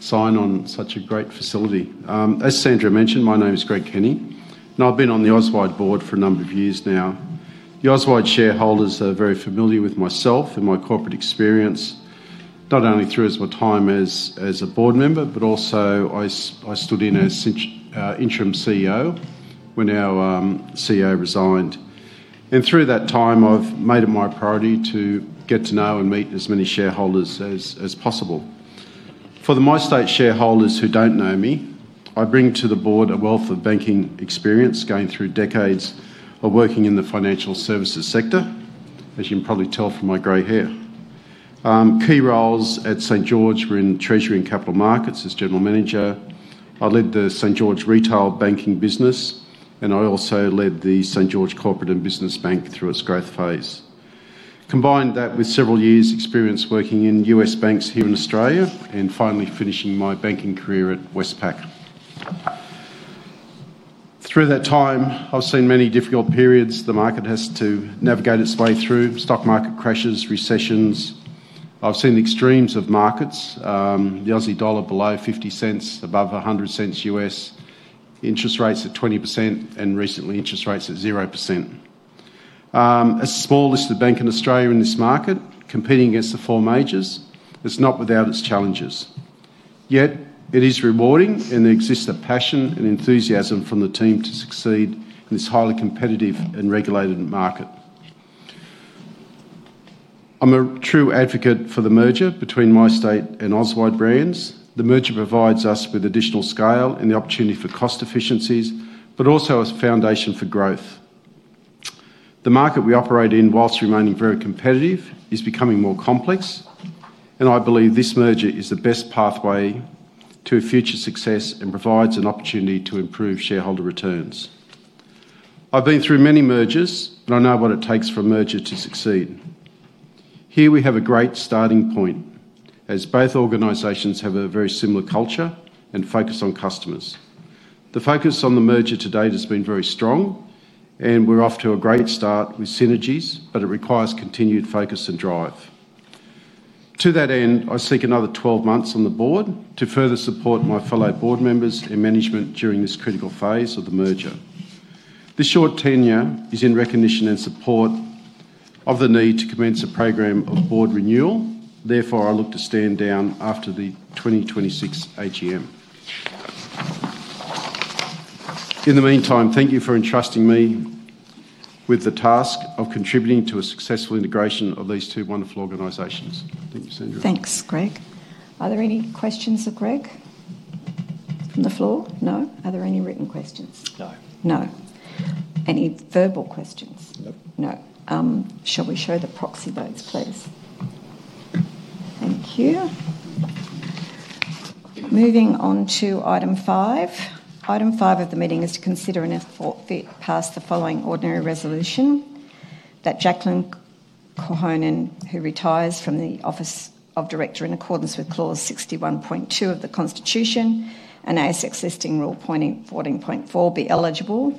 sign on such a great facility. As Sandra mentioned, my name is Greg Kenny, and I've been on the Auswide Bank Board for a number of years now. The Auswide Bank shareholders are very familiar with myself and my corporate experience, not only through my time as a board member, but also I stood in as interim CEO when our CEO resigned. Through that time, I've made it my priority to get to know and meet as many shareholders as possible. For the MyState shareholders who don't know me, I bring to the board a wealth of banking experience going through decades of working in the financial services sector, as you can probably tell from my grey hair. Key roles at St. George were in treasury and capital markets as General Manager. I led the St. George retail banking business, and I also led the St. George Corporate and Business Bank through its growth phase. Combined that with several years' experience working in U.S. banks here in Australia and finally finishing my banking career at Westpac. Through that time, I've seen many difficult periods. The market has to navigate its way through stock market crashes, recessions. I've seen the extremes of markets, the Aussie dollar below 0.50, above 1.00 U.S., interest rates at 20%, and recently interest rates at 0%. As the smallest bank in Australia in this market, competing against the four majors, it's not without its challenges. Yet it is rewarding, and there exists a passion and enthusiasm from the team to succeed in this highly competitive and regulated market. I'm a true advocate for the merger between MyState and Auswide Bank brands. The merger provides us with additional scale and the opportunity for cost efficiencies, but also a foundation for growth. The market we operate in, whilst remaining very competitive, is becoming more complex, and I believe this merger is the best pathway to a future success and provides an opportunity to improve shareholder returns. I've been through many mergers, but I know what it takes for a merger to succeed. Here we have a great starting point, as both organizations have a very similar culture and focus on customers. The focus on the merger to date has been very strong, and we're off to a great start with synergies, but it requires continued focus and drive. To that end, I seek another 12 months on the board to further support my fellow board members in management during this critical phase of the merger. This short tenure is in recognition and support of the need to commence a program of board renewal. Therefore, I look to stand down after the 2026 AGM. In the meantime, thank you for entrusting me with the task of contributing to a successful integration of these two wonderful organizations. Thank you, Sandra. Thanks, Greg. Are there any questions for Greg from the floor? No? Are there any written questions? No. No. Any verbal questions? No. No. Shall we show the proxy votes, please? Thank you. Moving on to item five. Item five of the meeting is to consider and, if thought fit, pass the following ordinary resolution: that Jacqueline Cohonen, who retires from the Office of Director in accordance with clause 61.2 of the Constitution and ASX Listing Rule 14.4, being eligible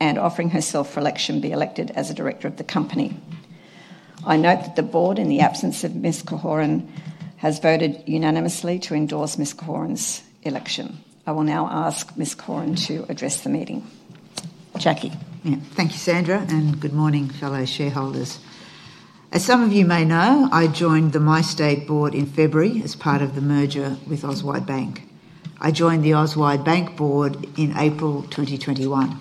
and offering herself for election, be elected as a Director of the Company. I note that the Board, in the absence of Ms. Cohonen, has voted unanimously to endorse Ms. Cohonen's election. I will now ask Ms. Cohonen to address the meeting. Jackie. Thank you, Sandra, and good morning, fellow shareholders. As some of you may know, I joined the MyState Board in February as part of the merger with Auswide Bank. I joined the Auswide Bank Board in April 2021.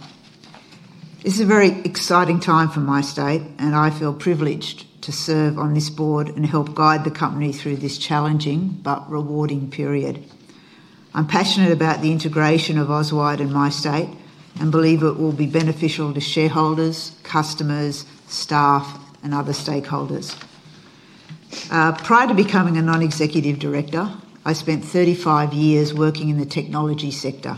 This is a very exciting time for MyState, and I feel privileged to serve on this board and help guide the company through this challenging but rewarding period. I'm passionate about the integration of Auswide and MyState and believe it will be beneficial to shareholders, customers, staff, and other stakeholders. Prior to becoming a Non-Executive Director, I spent 35 years working in the technology sector.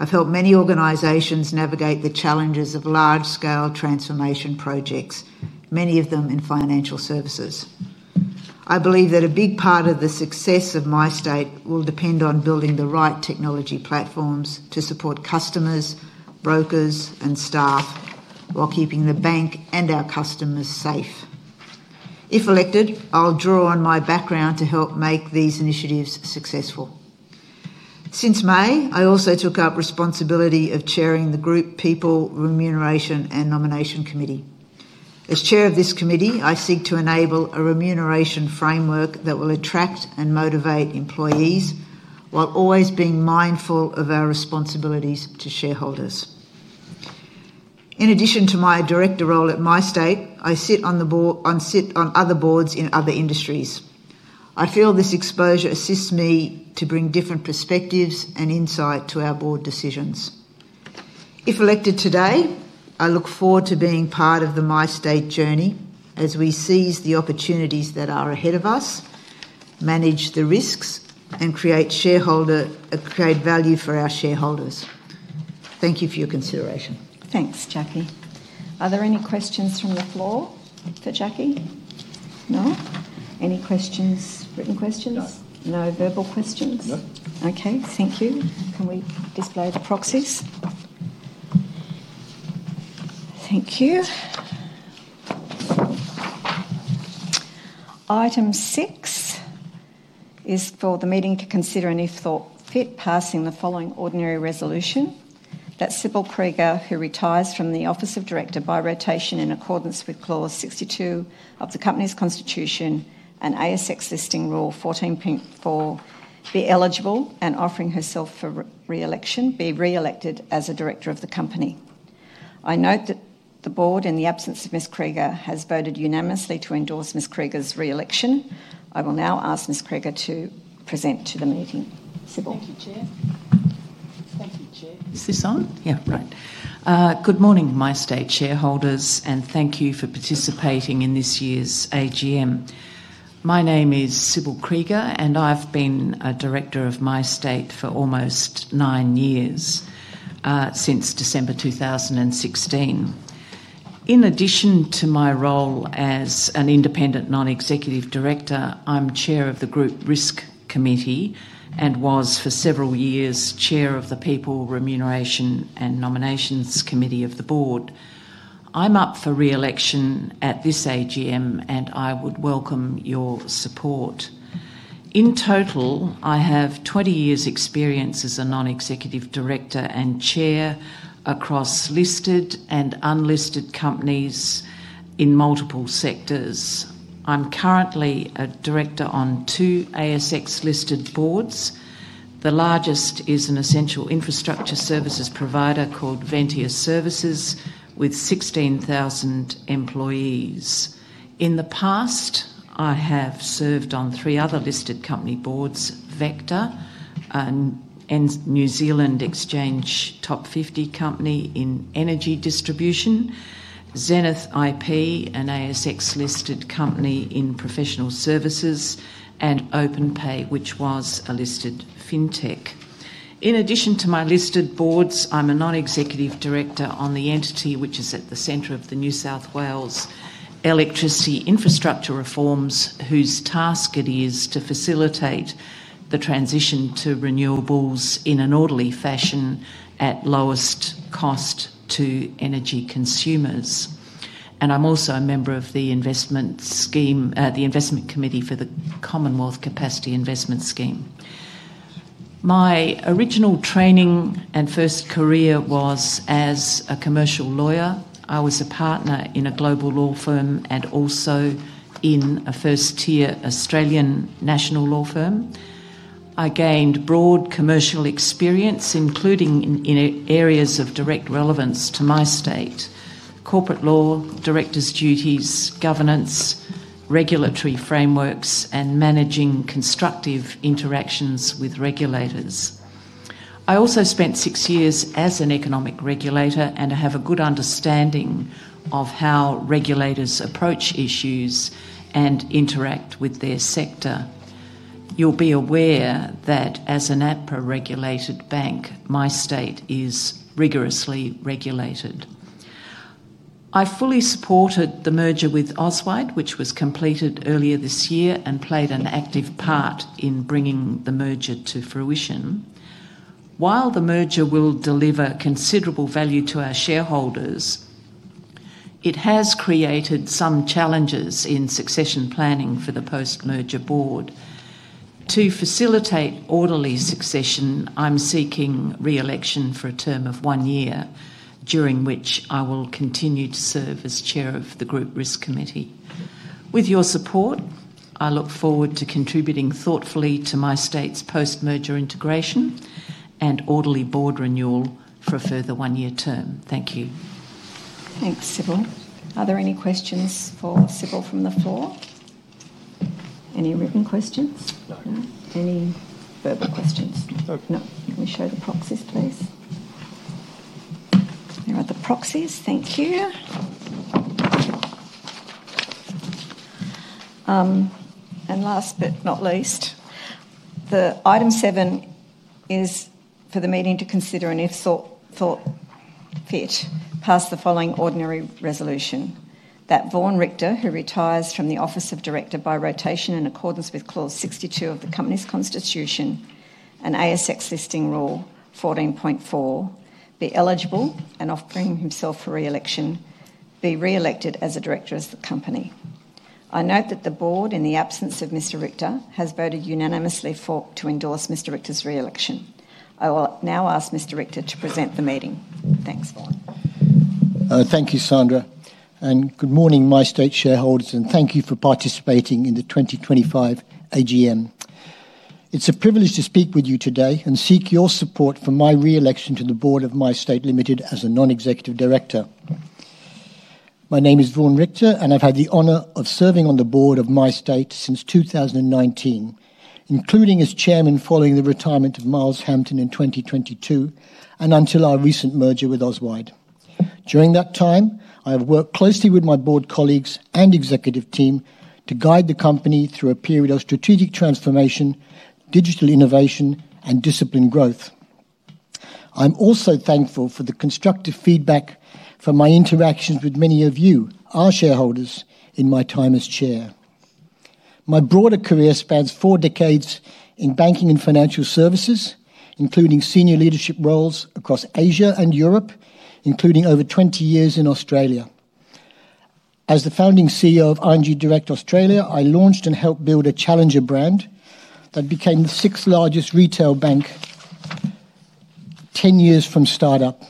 I've helped many organizations navigate the challenges of large-scale transformation projects, many of them in financial services. I believe that a big part of the success of MyState will depend on building the right technology platforms to support customers, brokers, and staff while keeping the bank and our customers safe. If elected, I'll draw on my background to help make these initiatives successful. Since May, I also took up responsibility of chairing the Group People Remuneration and Nomination Committee. As Chair of this committee, I seek to enable a remuneration framework that will attract and motivate employees while always being mindful of our responsibilities to shareholders. In addition to my director role at MyState, I sit on other boards in other industries. I feel this exposure assists me to bring different perspectives and insight to our board decisions. If elected today, I look forward to being part of the MyState journey as we seize the opportunities that are ahead of us, manage the risks, and create value for our shareholders. Thank you for your consideration. Thanks, Jackie. Are there any questions from the floor for Jackie? No? Any questions, written questions? No verbal questions? No. Okay. Thank you. Can we display the proxies? Thank you. Item six is for the meeting to consider and if thought fit passing the following ordinary resolution that Sibylle Krieger, who retires from the Office of Director by rotation in accordance with clause 62 of the Company's Constitution and ASX listing rule 14.4, be eligible and offering herself for re-election, be re-elected as a Director of the Company. I note that the Board, in the absence of Ms. Krieger, has voted unanimously to endorse Ms. Krieger's re-election. I will now ask Ms. Krieger to present to the meeting. Sibylle. Thank you, Chair. Good morning, MyState shareholders, and thank you for participating in this year's AGM. My name is Sibylle Krieger, and I've been a Director of MyState for almost nine years, since December 2016. In addition to my role as an Independent Non-Executive Director, I'm Chair of the Group Risk Committee and was for several years Chair of the People Remuneration and Nominations Committee of the Board. I'm up for re-election at this AGM, and I would welcome your support. In total, I have 20 years' experience as a Non-Executive Director and Chair across listed and unlisted companies in multiple sectors. I'm currently a Director on two ASX listed boards. The largest is an essential infrastructure services provider called Ventia Services with 16,000 employees. In the past, I have served on three other listed company boards, Vector, a New Zealand Exchange Top 50 company in energy distribution, Zenith IP, an ASX listed company in professional services, and OpenPay, which was a listed fintech. In addition to my listed boards, I'm a Non-Executive Director on the entity which is at the center of the New South Wales Electricity Infrastructure Reforms, whose task it is to facilitate the transition to renewables in an orderly fashion at lowest cost to energy consumers. I'm also a member of the Investment Committee for the Commonwealth Capacity Investment Scheme. My original training and first career was as a commercial lawyer. I was a partner in a global law firm and also in a first-tier Australian national law firm. I gained broad commercial experience, including in areas of direct relevance to MyState, corporate law, directors' duties, governance, regulatory frameworks, and managing constructive interactions with regulators. I also spent six years as an economic regulator, and I have a good understanding of how regulators approach issues and interact with their sector. You'll be aware that as an APRA-regulated bank, MyState is rigorously regulated. I fully supported the merger with Auswide Bank, which was completed earlier this year and played an active part in bringing the merger to fruition. While the merger will deliver considerable value to our shareholders, it has created some challenges in succession planning for the post-merger board. To facilitate orderly succession, I'm seeking re-election for a term of one year, during which I will continue to serve as Chair of the Group Risk Committee. With your support, I look forward to contributing thoughtfully to MyState's post-merger integration and orderly board renewal for a further one-year term. Thank you. Thanks, Sibylle. Are there any questions for Sibylle from the floor? Any written questions? No. Any verbal questions? No. No? Can we show the proxies, please? There are the proxies. Thank you. Last but not least, item seven is for the meeting to consider and if thought fit, pass the following ordinary resolution that Vaughn Richtor, who retires from the Office of Director by rotation in accordance with clause 62 of the Company's Constitution and ASX listing rule 14.4, being eligible and offering himself for re-election, be re-elected as a Director of the Company. I note that the Board, in the absence of Mr. Richtor, has voted unanimously to endorse Mr. Richtor's re-election. I will now ask Mr. Richtor to present to the meeting. Thanks, Vaughn. Thank you, Sandra, and good morning, MyState shareholders, and thank you for participating in the 2025 AGM. It's a privilege to speak with you today and seek your support for my re-election to the Board of MyState Limited as a Non-Executive Director. My name is Vaughn Richtor, and I've had the honor of serving on the Board of MyState since 2019, including as Chairman following the retirement of Miles Hampton in 2022 and until our recent merger with Auswide Bank. During that time, I have worked closely with my board colleagues and executive team to guide the company through a period of strategic transformation, digital innovation, and disciplined growth. I'm also thankful for the constructive feedback from my interactions with many of you, our shareholders, in my time as Chair. My broader career spans four decades in banking and financial services, including senior leadership roles across Asia and Europe, including over 20 years in Australia. As the founding CEO of ING Direct Australia, I launched and helped build a challenger brand that became the sixth largest retail bank 10 years from startup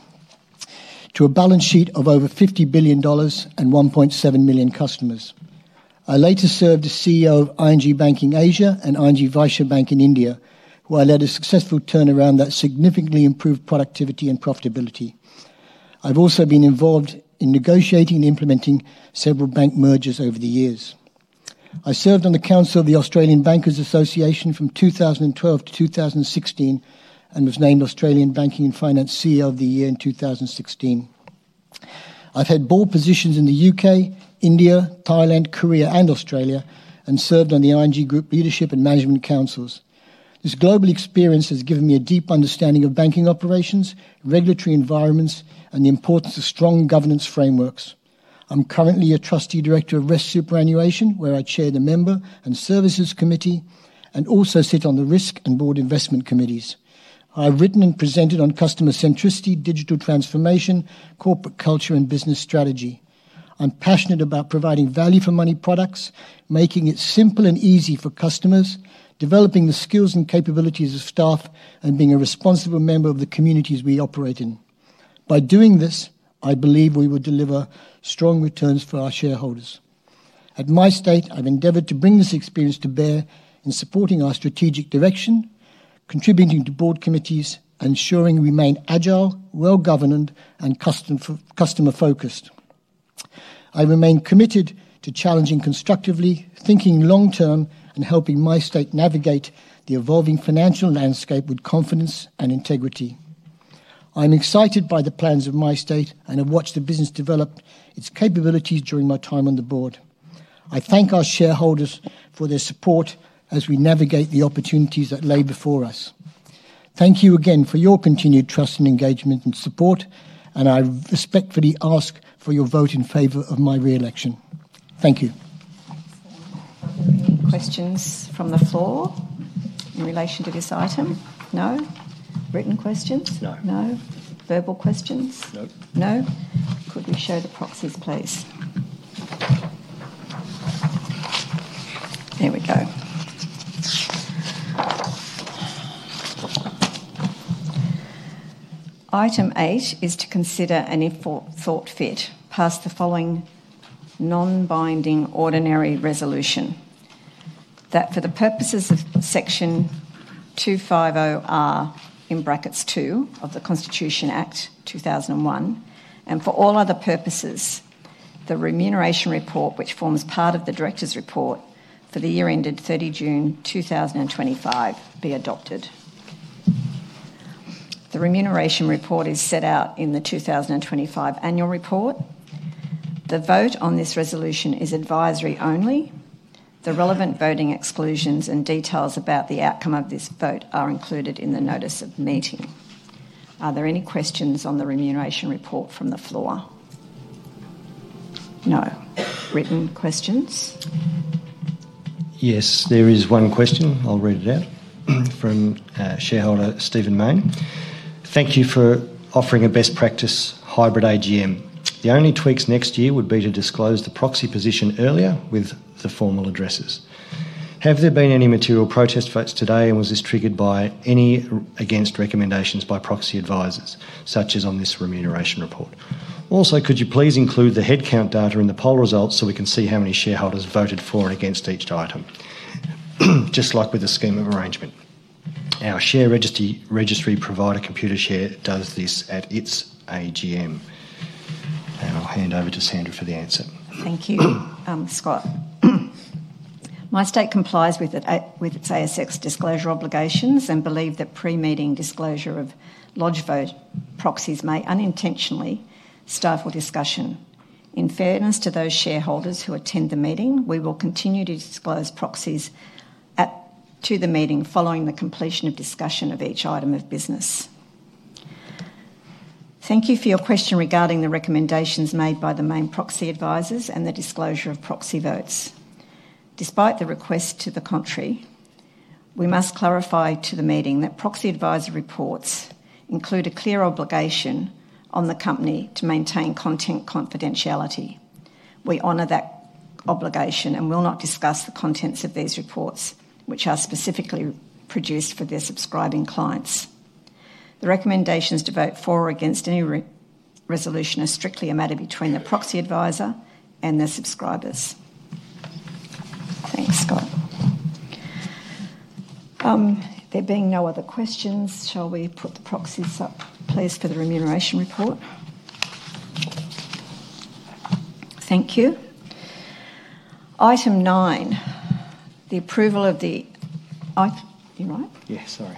to a balance sheet of over 50 billion dollars and 1.7 million customers. I later served as CEO of ING Banking Asia and ING Vysya Bank in India, where I led a successful turnaround that significantly improved productivity and profitability. I've also been involved in negotiating and implementing several bank mergers over the years. I served on the Council of the Australian Bankers Association from 2012 to 2016 and was named Australian Banking and Finance CEO of the Year in 2016. I've had board positions in the UK, India, Thailand, Korea, and Australia, and served on the ING Group Leadership and Management Councils. This global experience has given me a deep understanding of banking operations, regulatory environments, and the importance of strong governance frameworks. I'm currently a Trustee Director of Rest Superannuation, where I chair the Member and Services Committee and also sit on the Risk and Board Investment Committees. I've written and presented on customer centricity, digital transformation, corporate culture, and business strategy. I'm passionate about providing value-for-money products, making it simple and easy for customers, developing the skills and capabilities of staff, and being a responsible member of the communities we operate in. By doing this, I believe we will deliver strong returns for our shareholders. At MyState, I've endeavored to bring this experience to bear in supporting our strategic direction, contributing to board committees, and ensuring we remain agile, well-governed, and customer-focused. I remain committed to challenging constructively, thinking long-term, and helping MyState navigate the evolving financial landscape with confidence and integrity. I'm excited by the plans of MyState and have watched the business develop its capabilities during my time on the board. I thank our shareholders for their support as we navigate the opportunities that lie before us. Thank you again for your continued trust and engagement and support, and I respectfully ask for your vote in favor of my re-election. Thank you. Any questions from the floor in relation to this item? No? Written questions? No. No? Verbal questions? No. No? Could we show the proxies, please? There we go. Item eight is to consider and, if thought fit, pass the following non-binding ordinary resolution: that for the purposes of section 250R(2) of the Constitution Act 2001, and for all other purposes, the remuneration report, which forms part of the director's report for the year ended 30 June 2025, be adopted. The remuneration report is set out in the 2025 annual report. The vote on this resolution is advisory only. The relevant voting exclusions and details about the outcome of this vote are included in the notice of meeting. Are there any questions on the remuneration report from the floor? No written questions? Yes, there is one question. I'll read it out from shareholder Stephen Main. Thank you for offering a best practice hybrid AGM. The only tweaks next year would be to disclose the proxy position earlier with the formal addresses. Have there been any material protest votes today, and was this triggered by any against recommendations by proxy advisors, such as on this remuneration report? Also, could you please include the headcount data in the poll results so we can see how many shareholders voted for and against each item? Just like with the scheme of arrangement. Our share registry provider, Computershare, does this at its AGM. I'll hand over to Sandra for the answer. Thank you, Scott. MyState complies with its ASX disclosure obligations and believes that pre-meeting disclosure of lodged vote proxies may unintentionally stifle discussion. In fairness to those shareholders who attend the meeting, we will continue to disclose proxies to the meeting following the completion of discussion of each item of business. Thank you for your question regarding the recommendations made by the main proxy advisors and the disclosure of proxy votes. Despite the request to the contrary, we must clarify to the meeting that proxy advisor reports include a clear obligation on the company to maintain content confidentiality. We honor that obligation and will not discuss the contents of these reports, which are specifically produced for their subscribing clients. The recommendations to vote for or against any resolution are strictly a matter between the proxy advisor and the subscribers. Thanks, Scott. There being no other questions, shall we put the proxies up, please, for the remuneration report? Thank you. Item 9, the approval of the... You're right? Yeah, sorry.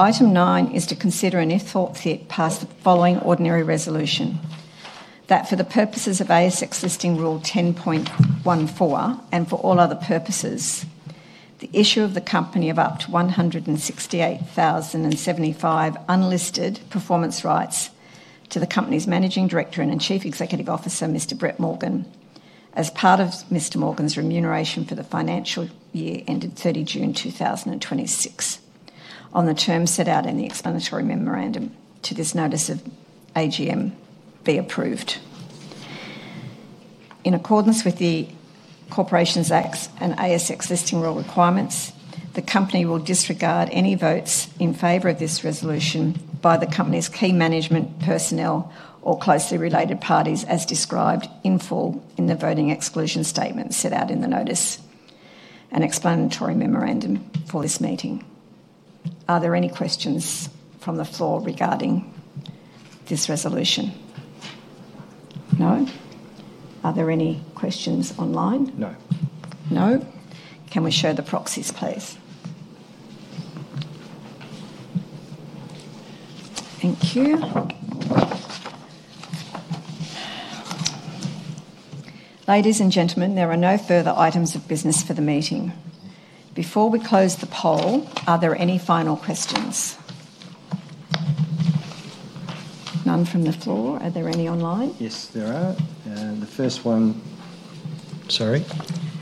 Item 9 is to consider and if thought fit pass the following ordinary resolution: that for the purposes of ASX Listing Rule 10.14 and for all other purposes, the issue by the company of up to 168,075 unlisted performance rights to the company's Managing Director and Chief Executive Officer, Mr. Brett Morgan, as part of Mr. Morgan's remuneration for the financial year ended 30 June 2026, on the terms set out in the explanatory memorandum to this notice of AGM, be approved. In accordance with the Corporations Act and ASX Listing Rule requirements, the company will disregard any votes in favor of this resolution by the company's key management personnel or closely related parties as described in full in the voting exclusion statement set out in the notice and explanatory memorandum for this meeting. Are there any questions from the floor regarding this resolution? No? Are there any questions online? No. No? Can we show the proxies, please? Thank you. Ladies and gentlemen, there are no further items of business for the meeting. Before we close the poll, are there any final questions? None from the floor. Are there any online? Yes, there are. The first one—sorry,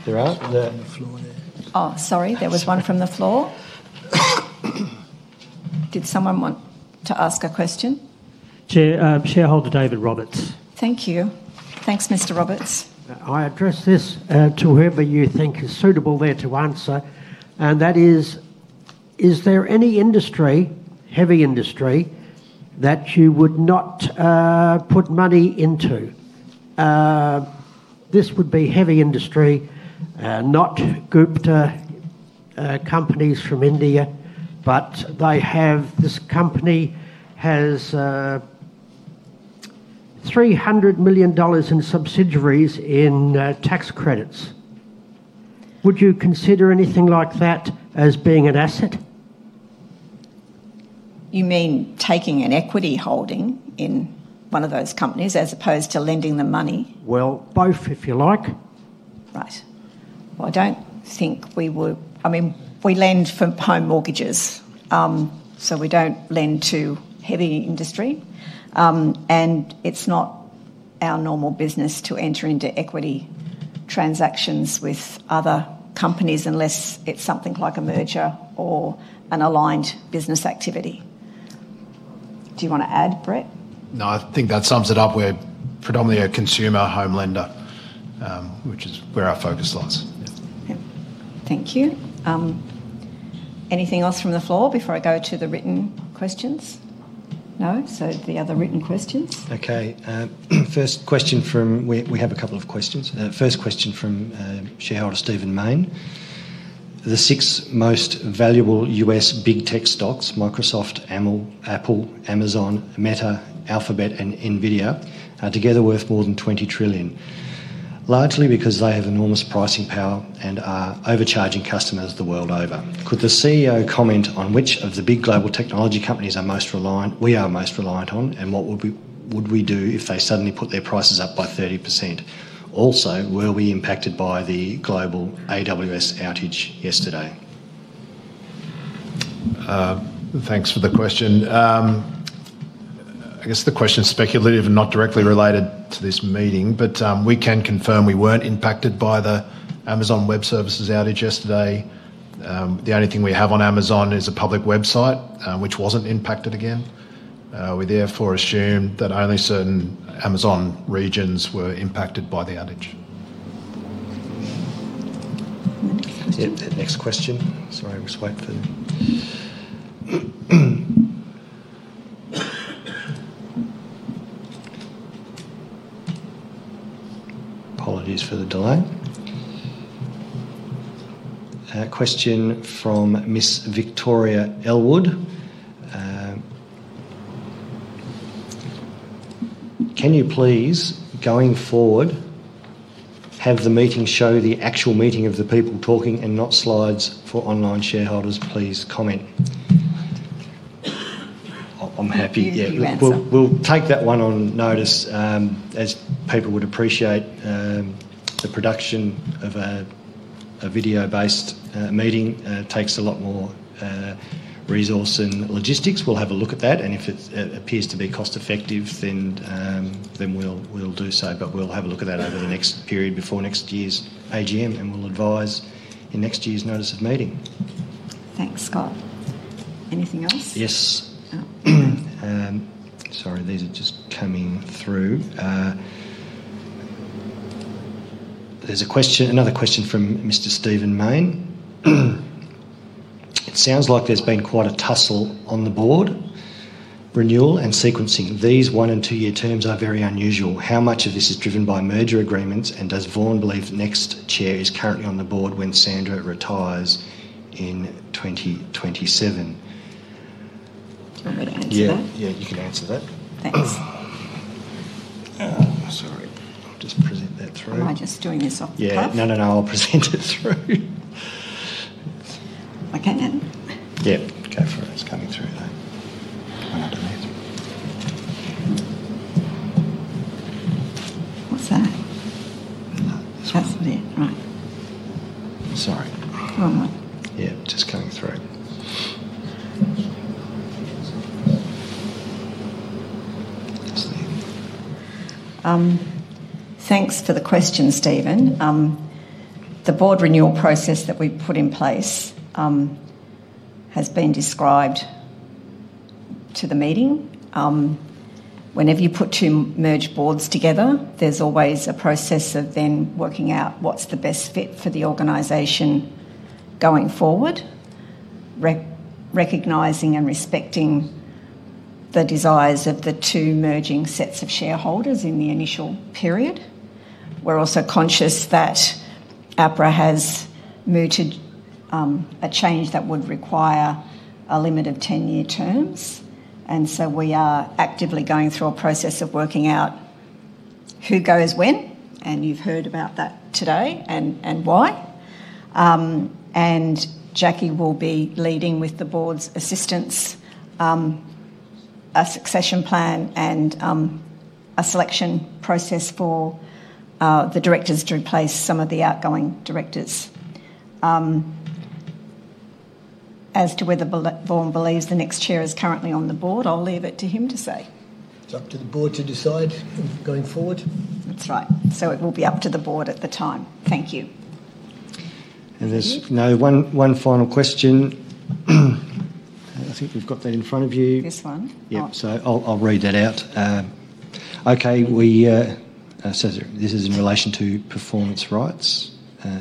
there are. From the floor there. Oh, sorry. There was one from the floor. Did someone want to ask a question? Shareholder David Roberts. Thank you. Thanks, Mr. Gordon. I address this to whoever you think is suitable there to answer, and that is, is there any industry, heavy industry, that you would not put money into? This would be heavy industry, not Gupta companies from India, but they have... This company has 300 million dollars in subsidiaries in tax credits. Would you consider anything like that as being an asset? You mean taking an equity holding in one of those companies as opposed to lending the money? Both if you like. Right. I don't think we would. I mean, we lend for home mortgages, so we don't lend to heavy industry, and it's not our normal business to enter into equity transactions with other companies unless it's something like a merger or an aligned business activity. Do you want to add, Brett? No, I think that sums it up. We're predominantly a consumer home lender, which is where our focus lies. Thank you. Anything else from the floor before I go to the written questions? No? The other written questions. Okay. First question from... We have a couple of questions. First question from shareholder Stephen Main. The six most valuable U.S. big tech stocks: Microsoft, Apple, Amazon, Meta, Alphabet, and Nvidia are together worth more than 20 trillion, largely because they have enormous pricing power and are overcharging customers the world over. Could the CEO comment on which of the big global technology companies we are most reliant on and what would we do if they suddenly put their prices up by 30%? Also, were we impacted by the global AWS outage yesterday? Thanks for the question. I guess the question is speculative and not directly related to this meeting, but we can confirm we weren't impacted by the Amazon Web Services outage yesterday. The only thing we have on Amazon is a public website, which wasn't impacted again. We therefore assume that only certain Amazon regions were impacted by the outage. Next question. Sorry, I was waiting for the... Apologies for the delay. Question from Ms. Victoria Elwood. Can you please, going forward, have the meeting show the actual meeting of the people talking and not slides for online shareholders? Please comment. I'm happy. We'll take that one on notice as people would appreciate the production of a video-based meeting. It takes a lot more resource and logistics. We'll have a look at that, and if it appears to be cost-effective, then we'll do so. We'll have a look at that over the next period before next year's AGM, and we'll advise in next year's notice of meeting. Thanks, Scott. Anything else? Yes. Sorry, these are just coming through. There's another question from Mr. Stephen Main. It sounds like there's been quite a tussle on the board. Renewal and sequencing these one and two-year terms are very unusual. How much of this is driven by merger agreements, and does Vaughn believe the next Chair is currently on the board when Sandra retires in 2027? Do you want me to answer that? Yeah, you can answer that. Thanks. Sorry, I'll just present that through. Am I just doing this off the bat? No, no, no. I'll present it through. Okay, now. Go for it. It's coming through, though. I don't know. What's that? I don't know. That's right. Sorry. You're all right. Yeah, just coming through. Thanks for the question, Stephen. The board renewal process that we put in place has been described to the meeting. Whenever you put two merged boards together, there's always a process of then working out what's the best fit for the organization going forward, recognizing and respecting the desires of the two merging sets of shareholders in the initial period. We're also conscious that APRA has mooted a change that would require a limit of 10-year terms, and we are actively going through a process of working out who goes when, and you've heard about that today and why. Jackie will be leading, with the board's assistance, a succession plan and a selection process for the directors to replace some of the outgoing directors. As to whether Vaughn believes the next Chair is currently on the board, I'll leave it to him to say. It's up to the board to decide going forward. That's right. It will be up to the board at the time. Thank you. There is now one final question. I think we've got that in front of you. This one? Okay. This is in relation to performance rights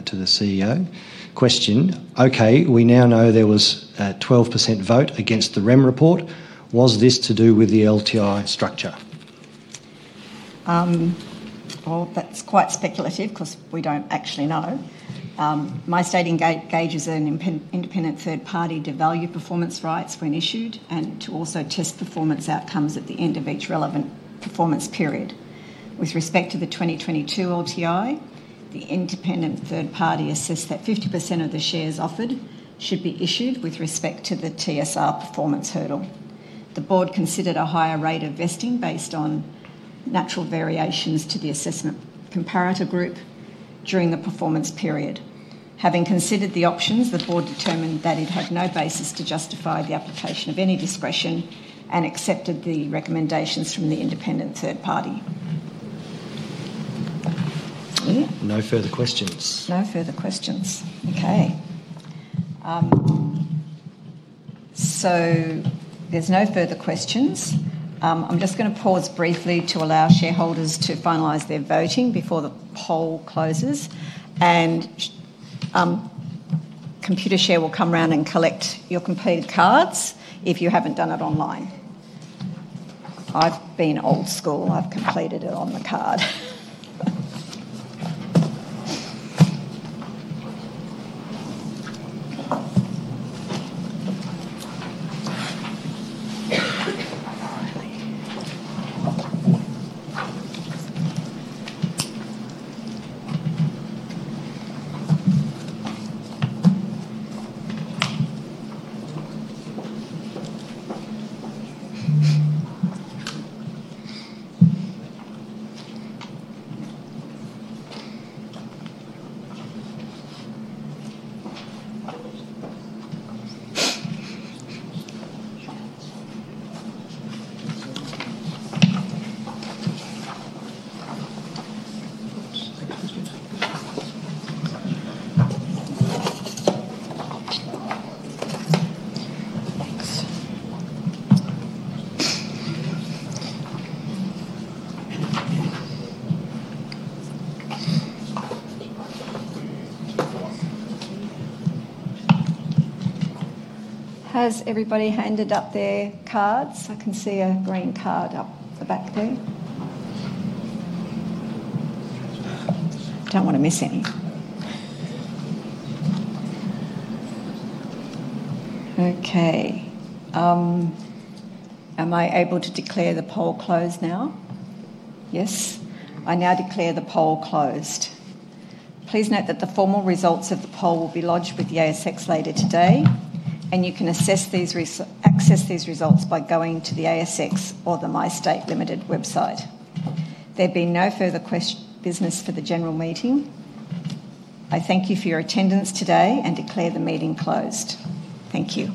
to the CEO. Question. We now know there was a 12% vote against the REM report. Was this to do with the LTI structure? That's quite speculative because we don't actually know. MyState engages an independent third party to value performance rights when issued and to also test performance outcomes at the end of each relevant performance period. With respect to the 2022 LTI, the independent third party assessed that 50% of the shares offered should be issued with respect to the TSR performance hurdle. The board considered a higher rate of vesting based on natural variations to the assessment comparator group during the performance period. Having considered the options, the board determined that it had no basis to justify the application of any discretion and accepted the recommendations from the independent third party. No further questions. No further questions. Okay. There's no further questions. I'm just going to pause briefly to allow shareholders to finalize their voting before the poll closes, and Computershare will come around and collect your completed cards if you haven't done it online. I've been old school. I've completed it on the card. Has everybody handed up their cards? I can see a green card up the back there. Don't want to miss any. Okay. Am I able to declare the poll closed now? Yes. I now declare the poll closed. Please note that the formal results of the poll will be lodged with the ASX later today, and you can access these results by going to the ASX or the MyState Limited website. There being no further business for the general meeting, I thank you for your attendance today and declare the meeting closed. Thank you.